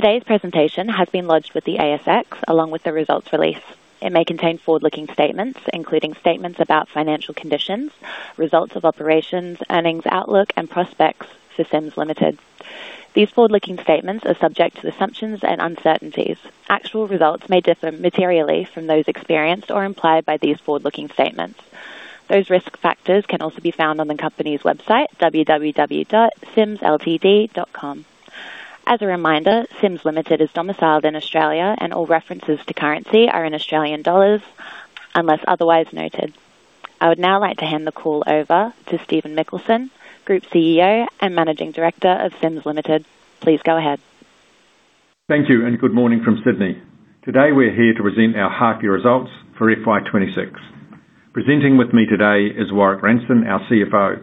Today's presentation has been lodged with the ASX, along with the results release. It may contain forward-looking statements, including statements about financial conditions, results of operations, earnings, outlook, and prospects for Sims Limited. These forward-looking statements are subject to assumptions and uncertainties. Actual results may differ materially from those experienced or implied by these forward-looking statements. Those risk factors can also be found on the company's website, www.simsltd.com. As a reminder, Sims Limited is domiciled in Australia, and all references to currency are in Australian dollars unless otherwise noted. I would now like to hand the call over to Stephen Mikkelsen, Group CEO and Managing Director of Sims Limited. Please go ahead. Thank you, and good morning from Sydney. Today, we're here to present our Half Year Results for FY 2026. Presenting with me today is Warrick Ranson, our CFO.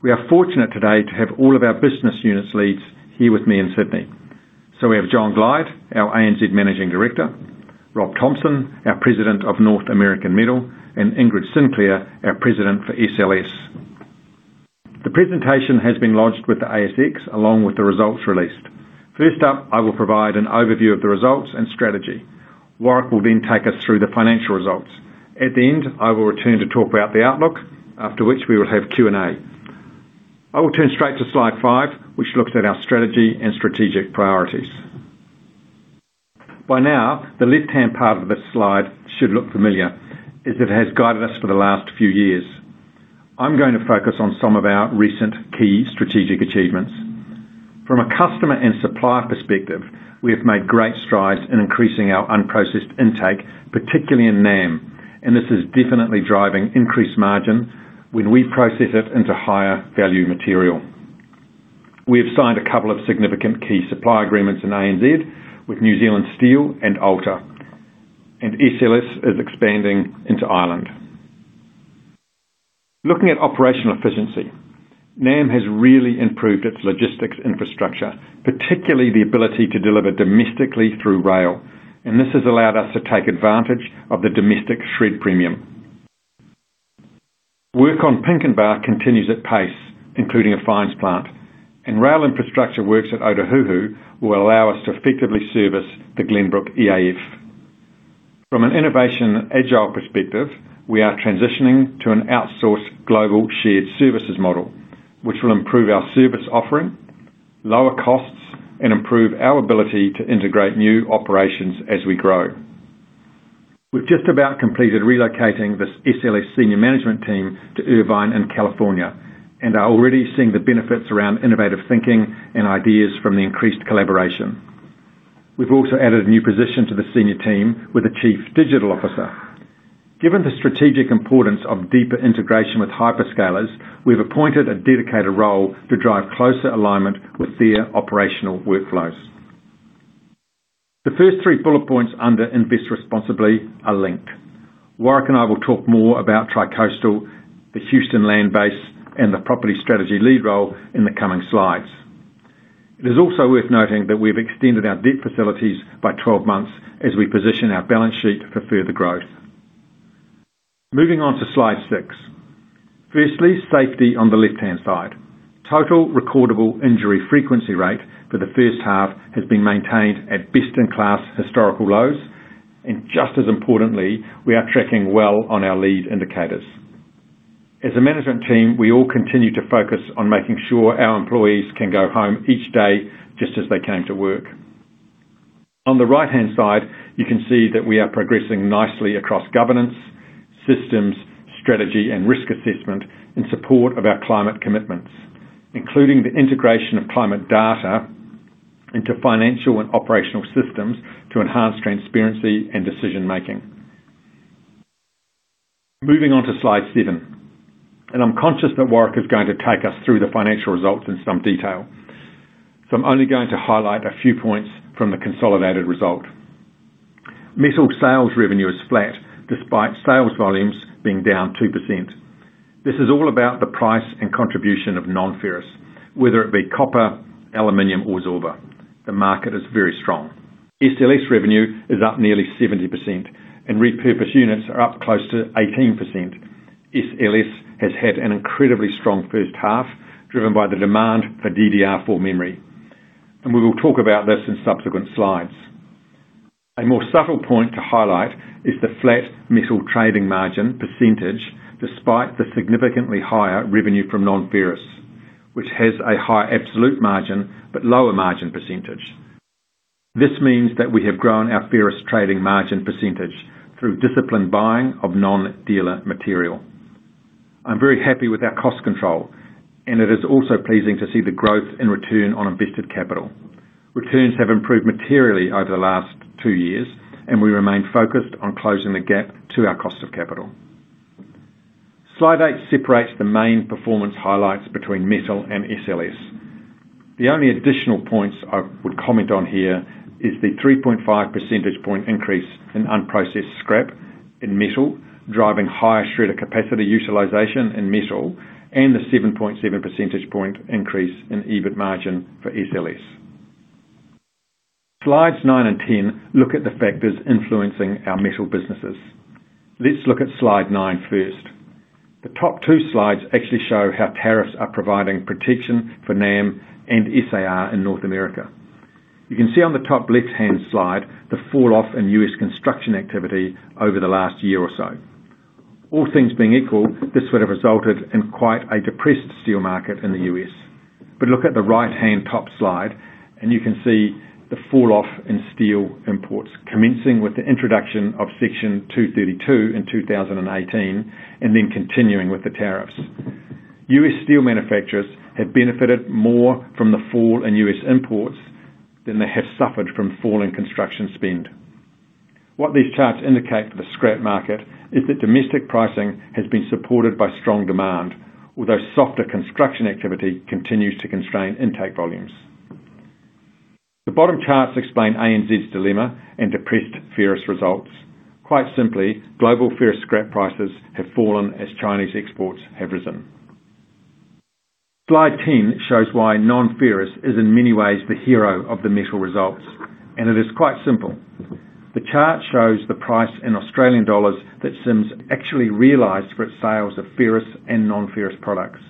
We are fortunate today to have all of our business units leads here with me in Sydney. So we have John Glyde, our ANZ Managing Director, Rob Thompson, our President of North American Metal, and Ingrid Sinclair, our President for SLS. The presentation has been lodged with the ASX, along with the results released. First up, I will provide an overview of the results and strategy. Warrick will then take us through the financial results. At the end, I will return to talk about the outlook, after which we will have Q&A. I will turn straight to slide five, which looks at our strategy and strategic priorities. By now, the left-hand part of this slide should look familiar, as it has guided us for the last few years. I'm going to focus on some of our recent key strategic achievements. From a customer and supplier perspective, we have made great strides in increasing our unprocessed intake, particularly in NAM, and this is definitely driving increased margin when we process it into higher value material. We have signed a couple of significant key supply agreements in ANZ with New Zealand Steel and Alter, and SLS is expanding into Ireland. Looking at operational efficiency, NAM has really improved its logistics infrastructure, particularly the ability to deliver domestically through rail, and this has allowed us to take advantage of the domestic shred premium. Work on Pinkenba continues at pace, including a fines plant, and rail infrastructure works at Ōtāhuhu will allow us to effectively service the Glenbrook EAF. From an innovation agile perspective, we are transitioning to an outsourced global shared services model, which will improve our service offering, lower costs, and improve our ability to integrate new operations as we grow. We've just about completed relocating this SLS senior management team to Irvine in California and are already seeing the benefits around innovative thinking and ideas from the increased collaboration. We've also added a new position to the senior team with a chief digital officer. Given the strategic importance of deeper integration with hyperscalers, we've appointed a dedicated role to drive closer alignment with their operational workflows. The first three bullet points under invest responsibly are linked. Warrick and I will talk more about Tri-Coastal, the Houston land base, and the property strategy lead role in the coming slides. It is also worth noting that we've extended our debt facilities by 12 months as we position our balance sheet for further growth. Moving on to slide six. Firstly, safety on the left-hand side. Total recordable injury frequency rate for the first half has been maintained at best-in-class historical lows, and just as importantly, we are tracking well on our lead indicators. As a management team, we all continue to focus on making sure our employees can go home each day just as they came to work. On the right-hand side, you can see that we are progressing nicely across governance, systems, strategy, and risk assessment in support of our climate commitments, including the integration of climate data into financial and operational systems to enhance transparency and decision-making. Moving on to slide seven, and I'm conscious that Warrick is going to take us through the financial results in some detail, so I'm only going to highlight a few points from the consolidated result. Metal sales revenue is flat despite sales volumes being down 2%. This is all about the price and contribution of non-ferrous, whether it be copper, aluminum, or Zorba. The market is very strong. SLS revenue is up nearly 70%, and repurposed units are up close to 18%. SLS has had an incredibly strong first half, driven by the demand for DDR4 memory, and we will talk about this in subsequent slides. A more subtle point to highlight is the flat metal trading margin percentage, despite the significantly higher revenue from non-ferrous, which has a higher absolute margin but lower margin percentage. This means that we have grown our ferrous trading margin percentage through disciplined buying of non-dealer material. I'm very happy with our cost control, and it is also pleasing to see the growth in return on invested capital. Returns have improved materially over the last two years, and we remain focused on closing the gap to our cost of capital. Slide eight separates the main performance highlights between metal and SLS. The only additional points I would comment on here is the 3.5 percentage point increase in unprocessed scrap in metal, driving higher shredder capacity utilization in metal, and the 7.7 percentage point increase in EBIT margin for SLS. Slides nine and 10 look at the factors influencing our metal businesses. Let's look at slide nine first. The top two slides actually show how tariffs are providing protection for NAM and SAR in North America. You can see on the top left-hand slide, the falloff in U.S. construction activity over the last year or so. All things being equal, this would have resulted in quite a depressed steel market in the U.S. But look at the right-hand top slide, and you can see the falloff in steel imports, commencing with the introduction of Section 232 in 2018, and then continuing with the tariffs. U.S. steel manufacturers have benefited more from the fall in U.S. imports than they have suffered from falling construction spend. What these charts indicate for the scrap market, is that domestic pricing has been supported by strong demand, although softer construction activity continues to constrain intake volumes. The bottom charts explain ANZ's dilemma and depressed ferrous results. Quite simply, global ferrous scrap prices have fallen as Chinese exports have risen. Slide 10 shows why non-ferrous is, in many ways, the hero of the metal results, and it is quite simple. The chart shows the price in Australian dollars that Sims actually realized for its sales of ferrous and non-ferrous products.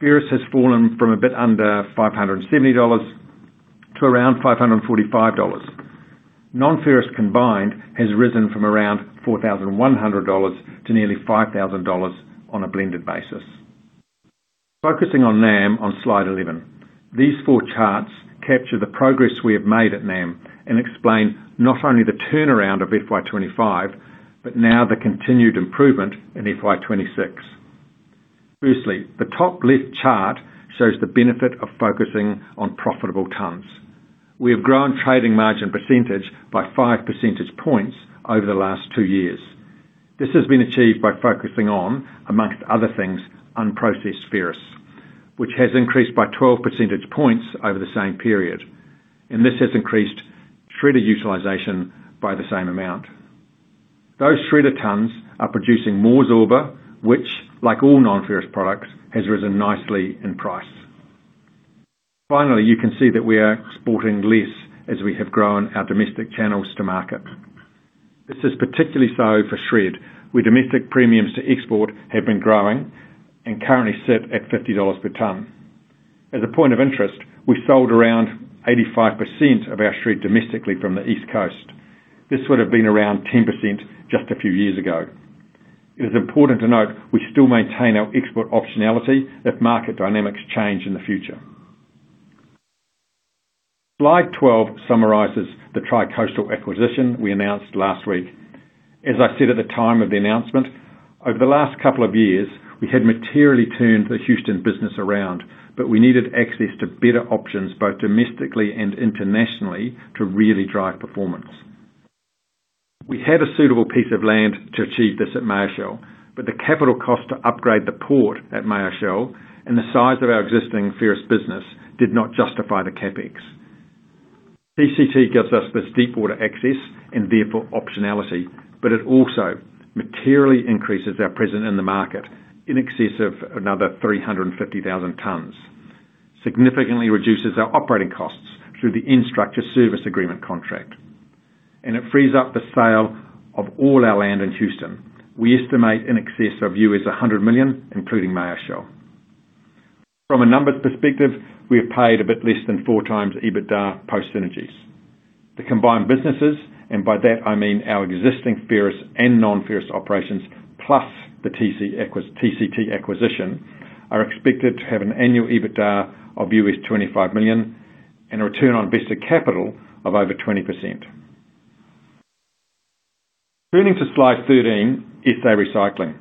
Ferrous has fallen from a bit under 570 dollars to around 545 dollars. Non-ferrous, combined, has risen from around 4,100 dollars to nearly 5,000 dollars on a blended basis. Focusing on NAM on slide 11. These four charts capture the progress we have made at NAM, and explain not only the turnaround of FY 2025, but now the continued improvement in FY 2026. Firstly, the top left chart shows the benefit of focusing on profitable tons. We have grown trading margin percentage by 5 percentage points over the last two years. This has been achieved by focusing on, among other things, unprocessed ferrous, which has increased by 12 percentage points over the same period, and this has increased shredder utilization by the same amount. Those shredder tonnes are producing more Zorba, which, like all non-ferrous products, has risen nicely in price. Finally, you can see that we are exporting less as we have grown our domestic channels to market. This is particularly so for shred, where domestic premiums to export have been growing and currently sit at $50 per tonne. As a point of interest, we sold around 85% of our shred domestically from the East Coast. This would have been around 10% just a few years ago. It is important to note, we still maintain our export optionality if market dynamics change in the future. Slide 12 summarizes the Tri-Coastal acquisition we announced last week. As I said at the time of the announcement, over the last couple of years, we had materially turned the Houston business around, but we needed access to better options, both domestically and internationally, to really drive performance. We had a suitable piece of land to achieve this at Mayo Shell, but the capital cost to upgrade the port at Mayo Shell and the size of our existing ferrous business did not justify the CapEx. TCT gives us this deep water access and therefore optionality, but it also materially increases our presence in the market, in excess of another 350,000 tonnes. Significantly reduces our operating costs through the infrastructure service agreement contract, and it frees up the sale of all our land in Houston. We estimate in excess of $100 million, including Mayo Shell. From a numbers perspective, we have paid a bit less than 4x EBITDA post synergies. The combined businesses, and by that I mean our existing ferrous and non-ferrous operations, plus the TCT acquisition, are expected to have an annual EBITDA of $25 million and a return on invested capital of over 20%. Turning to slide 13, SA Recycling.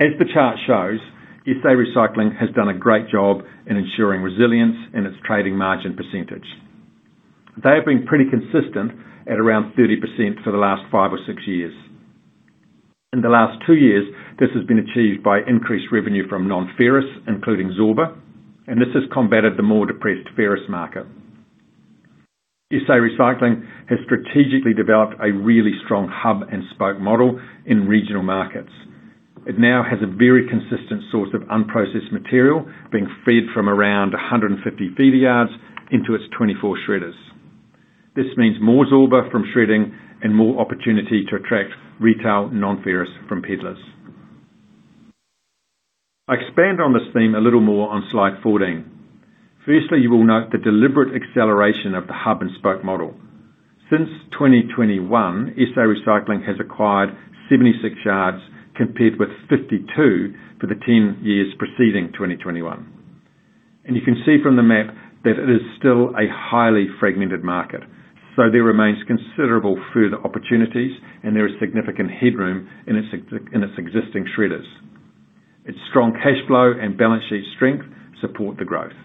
As the chart shows, SA Recycling has done a great job in ensuring resilience in its trading margin percentage. They have been pretty consistent at around 30% for the last 5 or 6 years. In the last 2 years, this has been achieved by increased revenue from non-ferrous, including Zorba, and this has combated the more depressed ferrous market. SA Recycling has strategically developed a really strong hub and spoke model in regional markets. It now has a very consistent source of unprocessed material, being fed from around 150 feeder yards into its 24 shredders. This means more Zorba from shredding and more opportunity to attract retail non-ferrous from peddlers. I expand on this theme a little more on slide 14. Firstly, you will note the deliberate acceleration of the hub-and-spoke model. Since 2021, SA Recycling has acquired 76 yards, compared with 52 for the ten years preceding 2021. You can see from the map that it is still a highly fragmented market, so there remains considerable further opportunities, and there is significant headroom in its existing shredders. Its strong cash flow and balance sheet strength support the growth.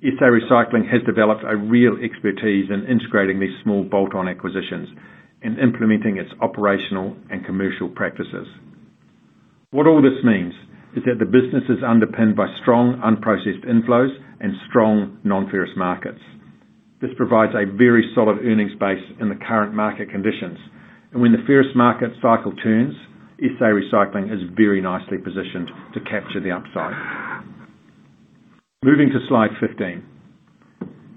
SA Recycling has developed a real expertise in integrating these small bolt-on acquisitions and implementing its operational and commercial practices. What all this means is that the business is underpinned by strong, unprocessed inflows and strong non-ferrous markets. This provides a very solid earnings base in the current market conditions, and when the ferrous market cycle turns, SA Recycling is very nicely positioned to capture the upside. Moving to slide 15.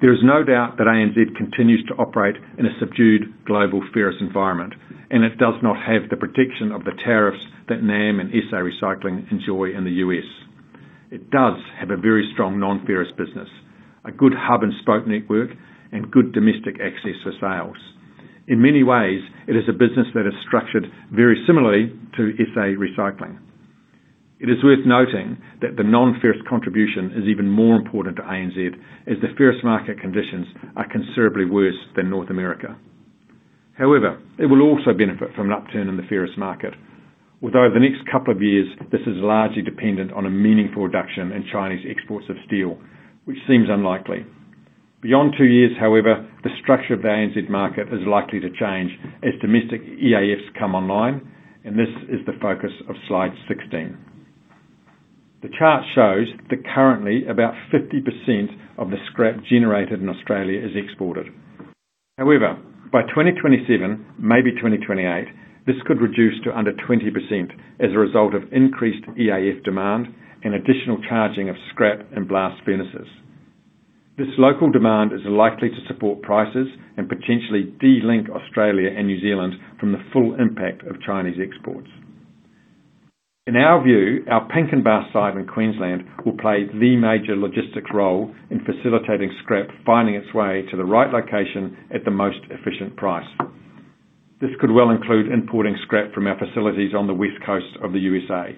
There is no doubt that ANZ continues to operate in a subdued global ferrous environment, and it does not have the protection of the tariffs that NAM and SA Recycling enjoy in the U.S. It does have a very strong non-ferrous business, a good hub-and-spoke network, and good domestic access for sales. In many ways, it is a business that is structured very similarly to SA Recycling. It is worth noting that the non-ferrous contribution is even more important to ANZ, as the ferrous market conditions are considerably worse than North America. However, it will also benefit from an upturn in the ferrous market, although the next couple of years, this is largely dependent on a meaningful reduction in Chinese exports of steel, which seems unlikely. Beyond two years, however, the structure of the ANZ market is likely to change as domestic EAFs come online, and this is the focus of slide 16. The chart shows that currently, about 50% of the scrap generated in Australia is exported. However, by 2027, maybe 2028, this could reduce to under 20% as a result of increased EAF demand and additional charging of scrap and blast furnaces. This local demand is likely to support prices and potentially de-link Australia and New Zealand from the full impact of Chinese exports. In our view, our Pinkenba site in Queensland will play the major logistics role in facilitating scrap finding its way to the right location at the most efficient price. This could well include importing scrap from our facilities on the West Coast of the USA.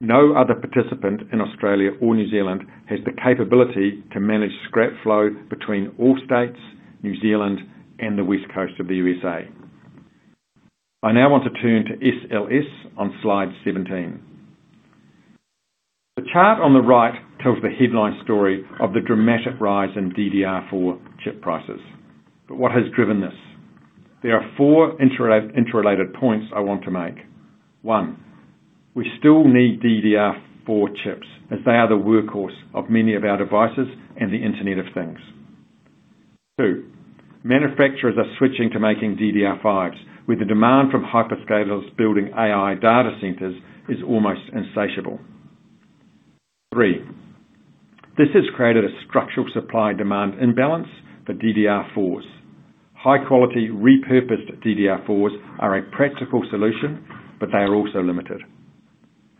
No other participant in Australia or New Zealand has the capability to manage scrap flow between all states, New Zealand, and the West Coast of the USA. I now want to turn to SLS on Slide 17. The chart on the right tells the headline story of the dramatic rise in DDR4 chip prices. But what has driven this? There are four interrelated points I want to make. One, we still need DDR4 chips, as they are the workhorse of many of our devices and the Internet of Things. Two, manufacturers are switching to making DDR5s, with the demand from hyperscalers building AI data centers is almost insatiable. Three, this has created a structural supply-demand imbalance for DDR4s. High-quality, repurposed DDR4s are a practical solution, but they are also limited.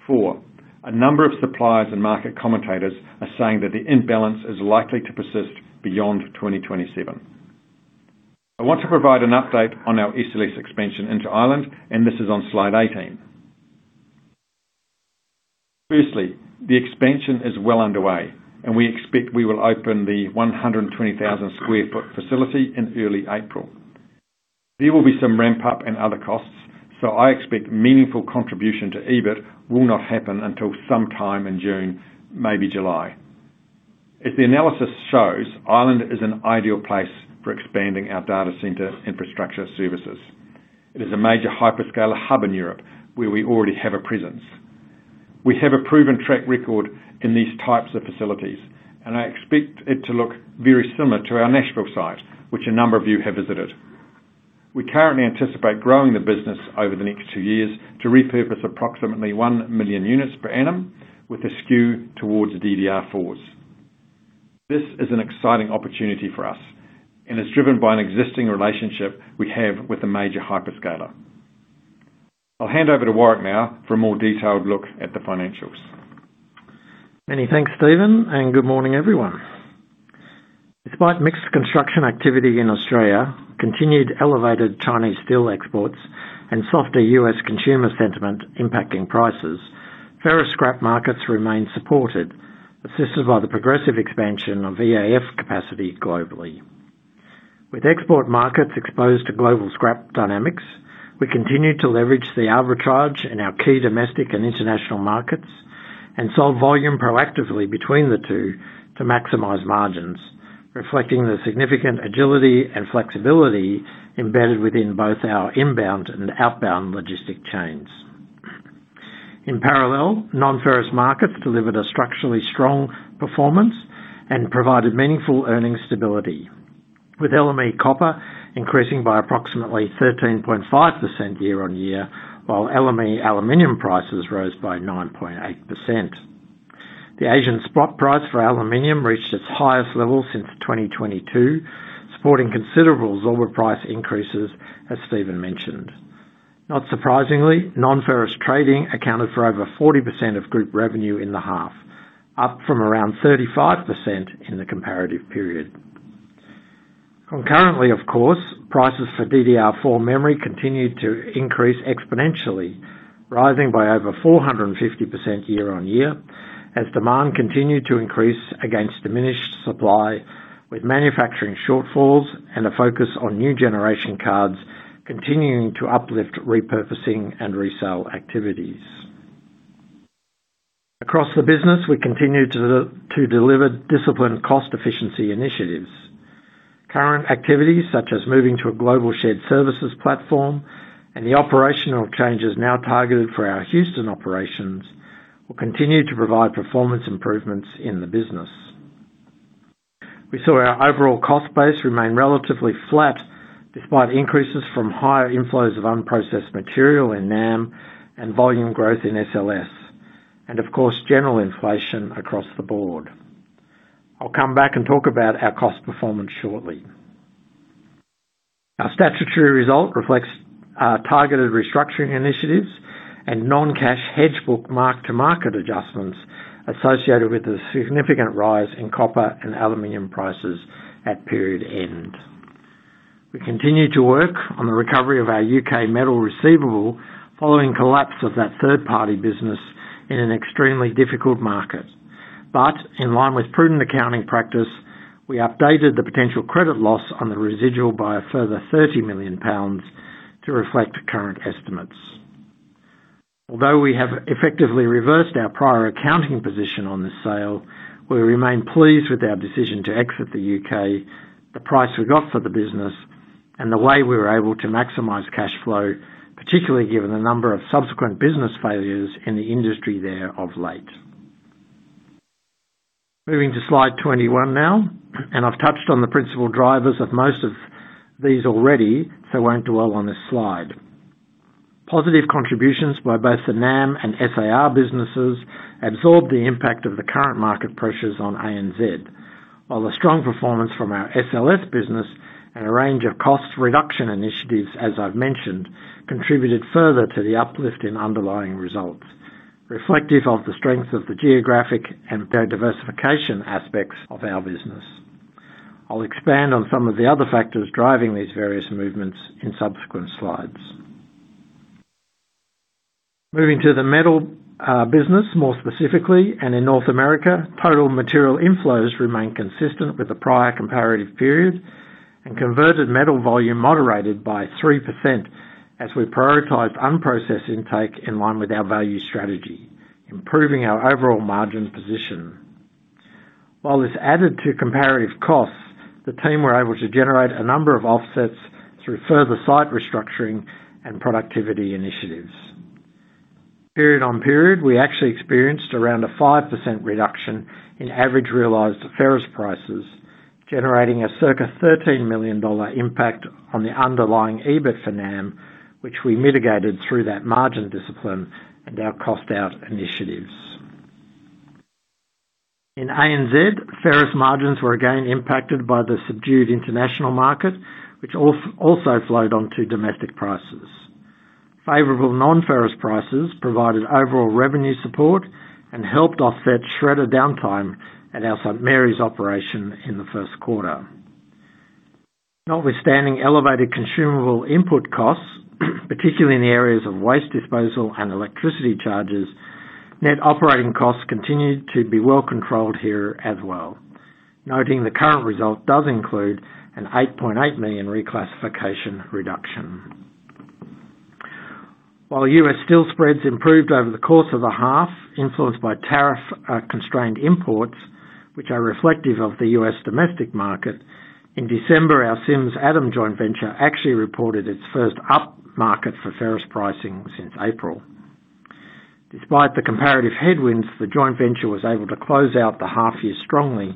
Four, a number of suppliers and market commentators are saying that the imbalance is likely to persist beyond 2027. I want to provide an update on our SLS expansion into Ireland, and this is on slide 18. Firstly, the expansion is well underway, and we expect we will open the 120,000 sq ft facility in early April. There will be some ramp-up and other costs, so I expect meaningful contribution to EBIT will not happen until sometime in June, maybe July. As the analysis shows, Ireland is an ideal place for expanding our data center infrastructure services. It is a major hyperscaler hub in Europe, where we already have a presence. We have a proven track record in these types of facilities, and I expect it to look very similar to our Nashville site, which a number of you have visited. We currently anticipate growing the business over the next 2 years to repurpose approximately 1 million units per annum, with a skew towards DDR4s. This is an exciting opportunity for us and is driven by an existing relationship we have with a major hyperscaler. I'll hand over to Warrick now for a more detailed look at the financials. Many thanks, Stephen, and good morning, everyone. Despite mixed construction activity in Australia, continued elevated Chinese steel exports and softer US consumer sentiment impacting prices, ferrous scrap markets remain supported, assisted by the progressive expansion of EAF capacity globally. With export markets exposed to global scrap dynamics, we continue to leverage the arbitrage in our key domestic and international markets and sell volume proactively between the two to maximize margins, reflecting the significant agility and flexibility embedded within both our inbound and outbound logistic chains. In parallel, non-ferrous markets delivered a structurally strong performance and provided meaningful earning stability, with LME copper increasing by approximately 13.5% year on year, while LME aluminum prices rose by 9.8%. The Asian spot price for aluminum reached its highest level since 2022, supporting considerable Zorba price increases, as Stephen mentioned. Not surprisingly, non-ferrous trading accounted for over 40% of group revenue in the half, up from around 35% in the comparative period. Concurrently, of course, prices for DDR4 memory continued to increase exponentially, rising by over 450% year-on-year, as demand continued to increase against diminished supply, with manufacturing shortfalls and a focus on new generation cards continuing to uplift, repurposing, and resale activities. Across the business, we continue to deliver disciplined cost efficiency initiatives. Current activities, such as moving to a global shared services platform and the operational changes now targeted for our Houston operations, will continue to provide performance improvements in the business. We saw our overall cost base remain relatively flat, despite increases from higher inflows of unprocessed material in NAM, and volume growth in SLS, and of course, general inflation across the board. I'll come back and talk about our cost performance shortly. Our statutory result reflects targeted restructuring initiatives and non-cash hedge book mark-to-market adjustments associated with the significant rise in copper and aluminum prices at period end. We continue to work on the recovery of our UK metal receivable, following collapse of that third-party business in an extremely difficult market. But in line with prudent accounting practice, we updated the potential credit loss on the residual by a further 30 million pounds to reflect the current estimates. Although we have effectively reversed our prior accounting position on this sale, we remain pleased with our decision to exit the UK, the price we got for the business, and the way we were able to maximize cash flow, particularly given the number of subsequent business failures in the industry there of late. Moving to slide 21 now, and I've touched on the principal drivers of most of these already, so I won't dwell on this slide. Positive contributions by both the NAM and SAR businesses absorbed the impact of the current market pressures on ANZ. While the strong performance from our SLS business and a range of cost reduction initiatives, as I've mentioned, contributed further to the uplift in underlying results, reflective of the strength of the geographic and their diversification aspects of our business. I'll expand on some of the other factors driving these various movements in subsequent slides. Moving to the metal business, more specifically, and in North America, total material inflows remain consistent with the prior comparative period, and converted metal volume moderated by 3% as we prioritized unprocessed intake in line with our value strategy, improving our overall margin position. While this added to comparative costs, the team were able to generate a number of offsets through further site restructuring and productivity initiatives. Period-on-period, we actually experienced around a 5% reduction in average realized ferrous prices, generating a circa $13 million impact on the underlying EBIT for NAM, which we mitigated through that margin discipline and our cost out initiatives. In ANZ, ferrous margins were again impacted by the subdued international market, which also flowed on to domestic prices. Favorable non-ferrous prices provided overall revenue support and helped offset shredder downtime at our St. Marys operation in the first quarter. Not withstanding elevated consumable input costs, particularly in the areas of waste disposal and electricity charges, net operating costs continued to be well controlled here as well, noting the current result does include an 8.8 million reclassification reduction. While U.S. steel spreads improved over the course of a half, influenced by tariff constrained imports, which are reflective of the U.S. domestic market, in December, our SA Recycling joint venture actually reported its first upmarket for ferrous pricing since April. Despite the comparative headwinds, the joint venture was able to close out the half year strongly,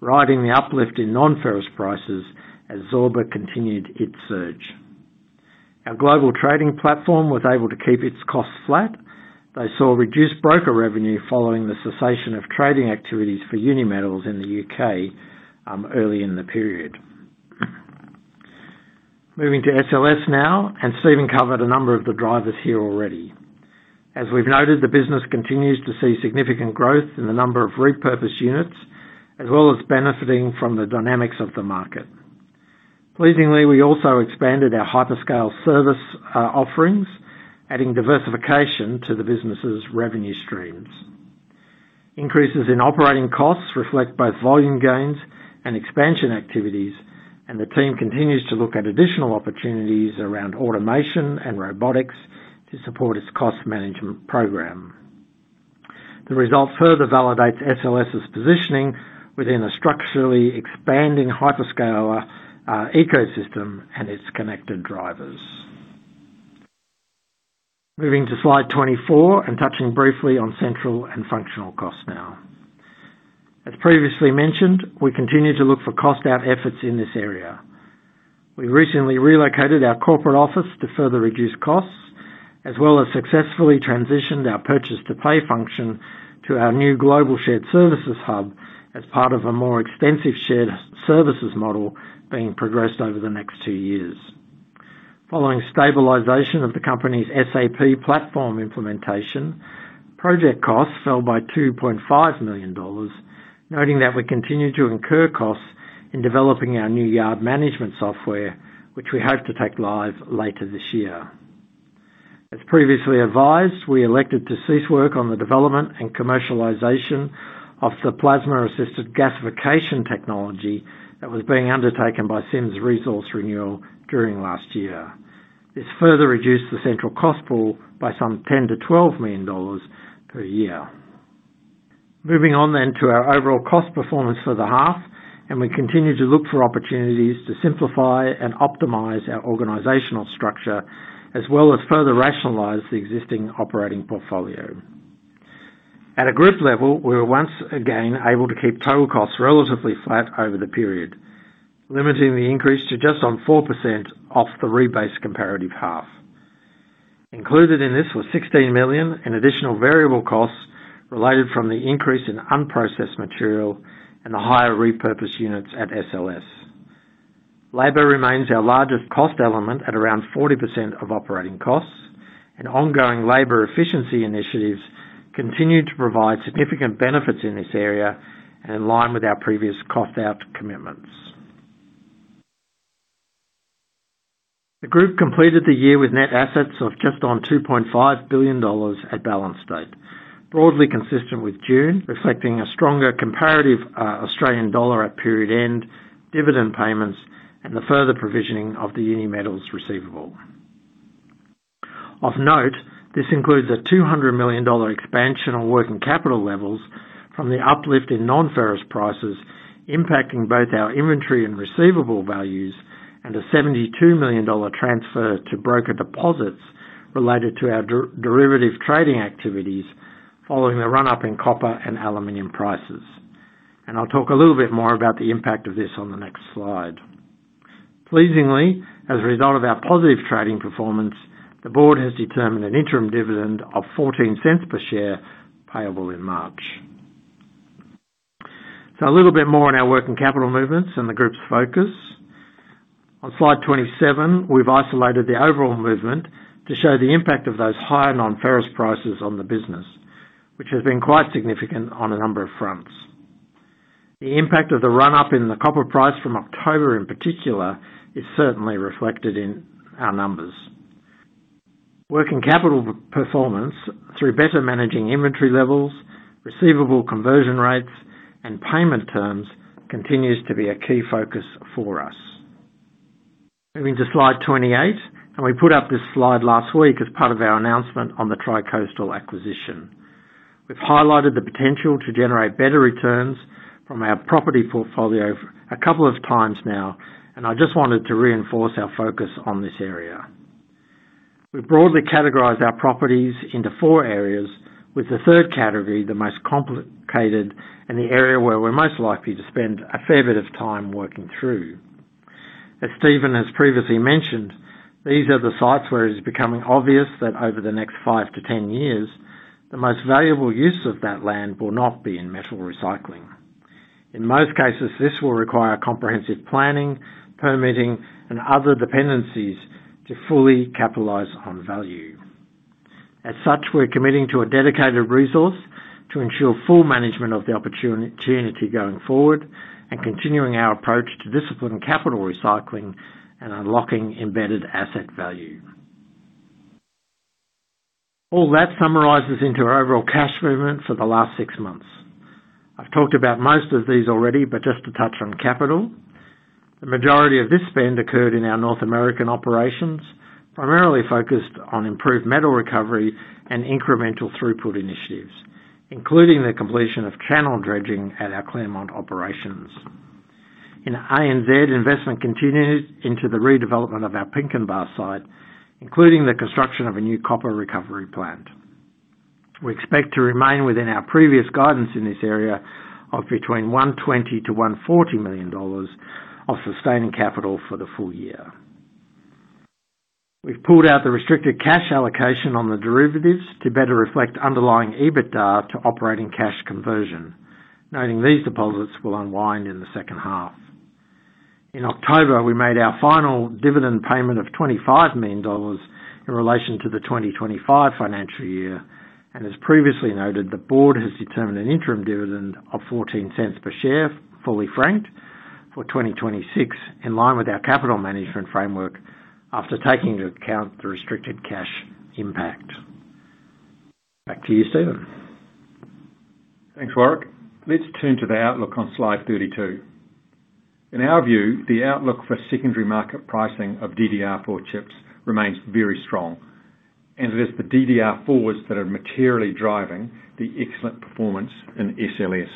riding the uplift in non-ferrous prices as Zorba continued its surge. Our global trading platform was able to keep its costs flat. They saw reduced broker revenue following the cessation of trading activities for Unimetals in the U.K. early in the period. Moving to SLS now, and Stephen covered a number of the drivers here already. As we've noted, the business continues to see significant growth in the number of repurposed units, as well as benefiting from the dynamics of the market. Pleasingly, we also expanded our hyperscale service offerings, adding diversification to the business's revenue streams. Increases in operating costs reflect both volume gains and expansion activities, and the team continues to look at additional opportunities around automation and robotics to support its cost management program. The result further validates SLS's positioning within a structurally expanding hyperscaler ecosystem and its connected drivers. Moving to slide 24, and touching briefly on central and functional costs now. As previously mentioned, we continue to look for cost out efforts in this area. We recently relocated our corporate office to further reduce costs, as well as successfully transitioned our purchase to pay function to our new global shared services hub as part of a more extensive shared services model being progressed over the next two years. Following stabilization of the company's SAP platform implementation, project costs fell by 2.5 million dollars, noting that we continue to incur costs in developing our new yard management software, which we hope to take live later this year. As previously advised, we elected to cease work on the development and commercialization of the plasma-assisted gasification technology that was being undertaken by Sims Resource Renewal during last year. This further reduced the central cost pool by some 10 million-12 million dollars per year. Moving on then to our overall cost performance for the half, and we continue to look for opportunities to simplify and optimize our organizational structure, as well as further rationalize the existing operating portfolio. At a group level, we were once again able to keep total costs relatively flat over the period, limiting the increase to just on 4% of the rebase comparative half. Included in this was $16 million in additional variable costs related from the increase in unprocessed material and the higher repurposed units at SLS. Labor remains our largest cost element at around 40% of operating costs, and ongoing labor efficiency initiatives continue to provide significant benefits in this area and in line with our previous cost out commitments. The group completed the year with net assets of just on 2.5 billion dollars at balance date, broadly consistent with June, reflecting a stronger comparative Australian dollar at period end, dividend payments, and the further provisioning of the Unimetals receivable. Of note, this includes a 200 million dollar expansion on working capital levels from the uplift in non-ferrous prices, impacting both our inventory and receivable values, and a 72 million dollar transfer to broker deposits related to our derivative trading activities following the run-up in copper and aluminum prices. I'll talk a little bit more about the impact of this on the next slide. Pleasingly, as a result of our positive trading performance, the board has determined an interim dividend of 0.14 per share, payable in March. A little bit more on our working capital movements and the group's focus. On slide 27, we've isolated the overall movement to show the impact of those higher non-ferrous prices on the business, which has been quite significant on a number of fronts. The impact of the run-up in the copper price from October, in particular, is certainly reflected in our numbers. Working capital performance through better managing inventory levels, receivable conversion rates, and payment terms continues to be a key focus for us. Moving to slide 28, and we put up this slide last week as part of our announcement on the Tri-Coastal acquisition. We've highlighted the potential to generate better returns from our property portfolio, a couple of times now, and I just wanted to reinforce our focus on this area. We've broadly categorized our properties into four areas, with the third category, the most complicated, and the area where we're most likely to spend a fair bit of time working through. As Stephen has previously mentioned, these are the sites where it's becoming obvious that over the next 5-10 years, the most valuable use of that land will not be in metal recycling. In most cases, this will require comprehensive planning, permitting, and other dependencies to fully capitalize on value. As such, we're committing to a dedicated resource to ensure full management of the opportunity, opportunity going forward and continuing our approach to disciplined capital recycling and unlocking embedded asset value. All that summarizes into our overall cash movements for the last six months. I've talked about most of these already, but just to touch on capital. The majority of this spend occurred in our North American operations, primarily focused on improved metal recovery and incremental throughput initiatives, including the completion of channel dredging at our Claremont operations. In ANZ, investment continued into the redevelopment of our Pinkenba site, including the construction of a new copper recovery plant. We expect to remain within our previous guidance in this area of between 120 million-140 million dollars of sustaining capital for the full year. We've pulled out the restricted cash allocation on the derivatives to better reflect underlying EBITDA to operating cash conversion, noting these deposits will unwind in the second half. In October, we made our final dividend payment of 25 million dollars in relation to the 2025 financial year, and as previously noted, the board has determined an interim dividend of 0.14 per share, fully franked, for 2026, in line with our capital management framework after taking into account the restricted cash impact. Back to you, Stephen. Thanks, Warrick. Let's turn to the outlook on slide 32. In our view, the outlook for secondary market pricing of DDR4 chips remains very strong, and it is the DDR4s that are materially driving the excellent performance in SLS.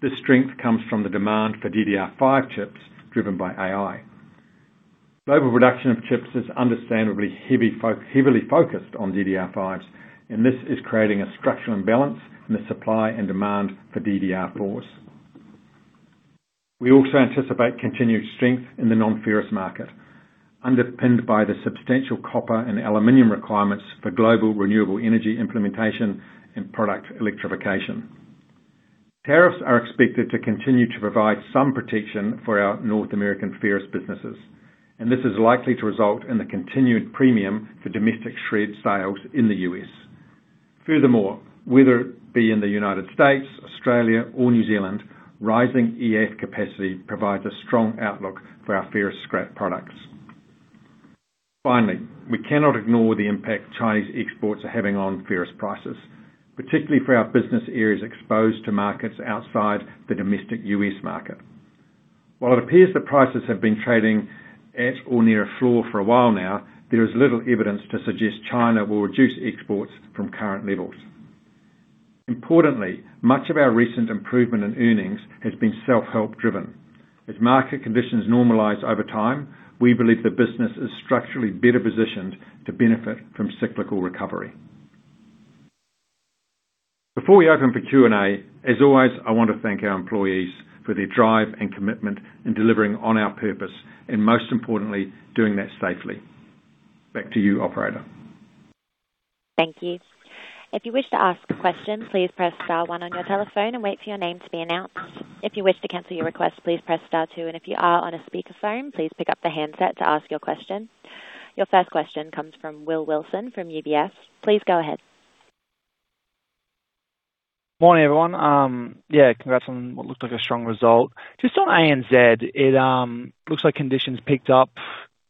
This strength comes from the demand for DDR5 chips driven by AI. Global production of chips is understandably heavily focused on DDR5, and this is creating a structural imbalance in the supply and demand for DDR4s. We also anticipate continued strength in the non-ferrous market, underpinned by the substantial copper and aluminum requirements for global renewable energy implementation and product electrification. Tariffs are expected to continue to provide some protection for our North American ferrous businesses, and this is likely to result in the continued premium for domestic shred sales in the U.S. Furthermore, whether it be in the United States or New Zealand, rising EAF capacity provides a strong outlook for our ferrous scrap products. Finally, we cannot ignore the impact Chinese exports are having on ferrous prices, particularly for our business areas exposed to markets outside the domestic U.S. market. While it appears that prices have been trading at or near a floor for a while now, there is little evidence to suggest China will reduce exports from current levels. Importantly, much of our recent improvement in earnings has been self-help driven. As market conditions normalize over time, we believe the business is structurally better positioned to benefit from cyclical recovery. Before we open for Q&A, as always, I want to thank our employees for their drive and commitment in delivering on our purpose, and most importantly, doing that safely. Back to you, operator. Thank you. If you wish to ask a question, please press star one on your telephone and wait for your name to be announced. If you wish to cancel your request, please press star two, and if you are on a speakerphone, please pick up the handset to ask your question. Your first question comes from Will Wilson from UBS. Please go ahead. Morning, everyone. Congrats on what looked like a strong result. Just on ANZ, looks like conditions picked up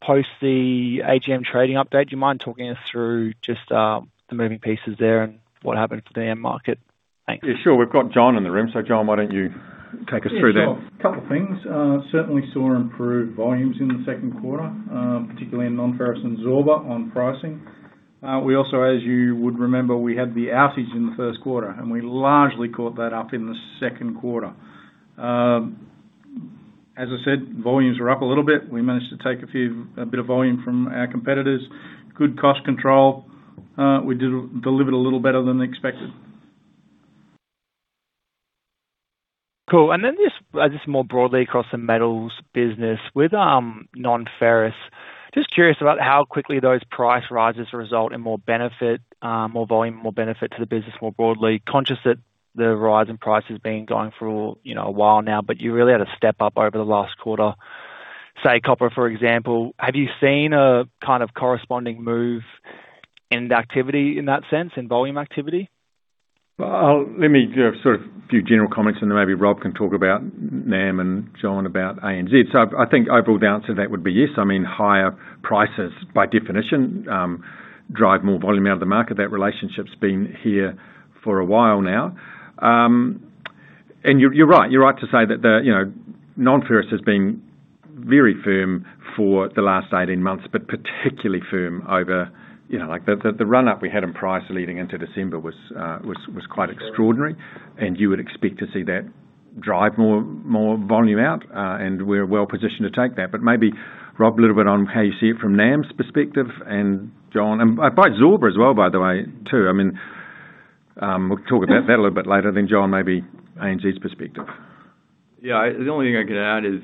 post the AGM trading update. Do you mind talking us through just, the moving pieces there and what happened to the end market? Thanks. Sure. We've got John in the room. So John, why don't you take us through that? Sure. A couple of things. Certainly saw improved volumes in the second quarter, particularly in non-ferrous and Zorba on pricing. We also, as you would remember, we had the outage in the first quarter, and we largely caught that up in the second quarter. As I said, volumes are up a little bit. We managed to take a few- a bit of volume from our competitors. Good cost control. We did deliver it a little better than expected. Cool. And then just more broadly across the metals business, with non-ferrous, just curious about how quickly those price rises result in more benefit, more volume, more benefit to the business, more broadly. Conscious that the rise in price has been going for, you know, a while now, but you really had to step up over the last quarter. Say, copper, for example, have you seen a kind of corresponding move in the activity in that sense, in volume activity? Well, let me give sort of a few general comments, and then maybe Rob can talk about NAM and John about ANZ. So I think overall, the answer to that would be yes. I mean, higher prices, by definition, drive more volume out of the market. That relationship's been here for a while now. And you're right to say that the, you know, non-ferrous has been very firm for the last 18 months, but particularly firm over, you know, like the run-up we had in price leading into December was quite extraordinary, and you would expect to see that drive more volume out, and we're well positioned to take that. But maybe, Rob, a little bit on how you see it from NAM's perspective, and John, and by Zorba as well, by the way, too. We'll talk about that a little bit later. Then, John, maybe ANZ's perspective. The only thing I can add is,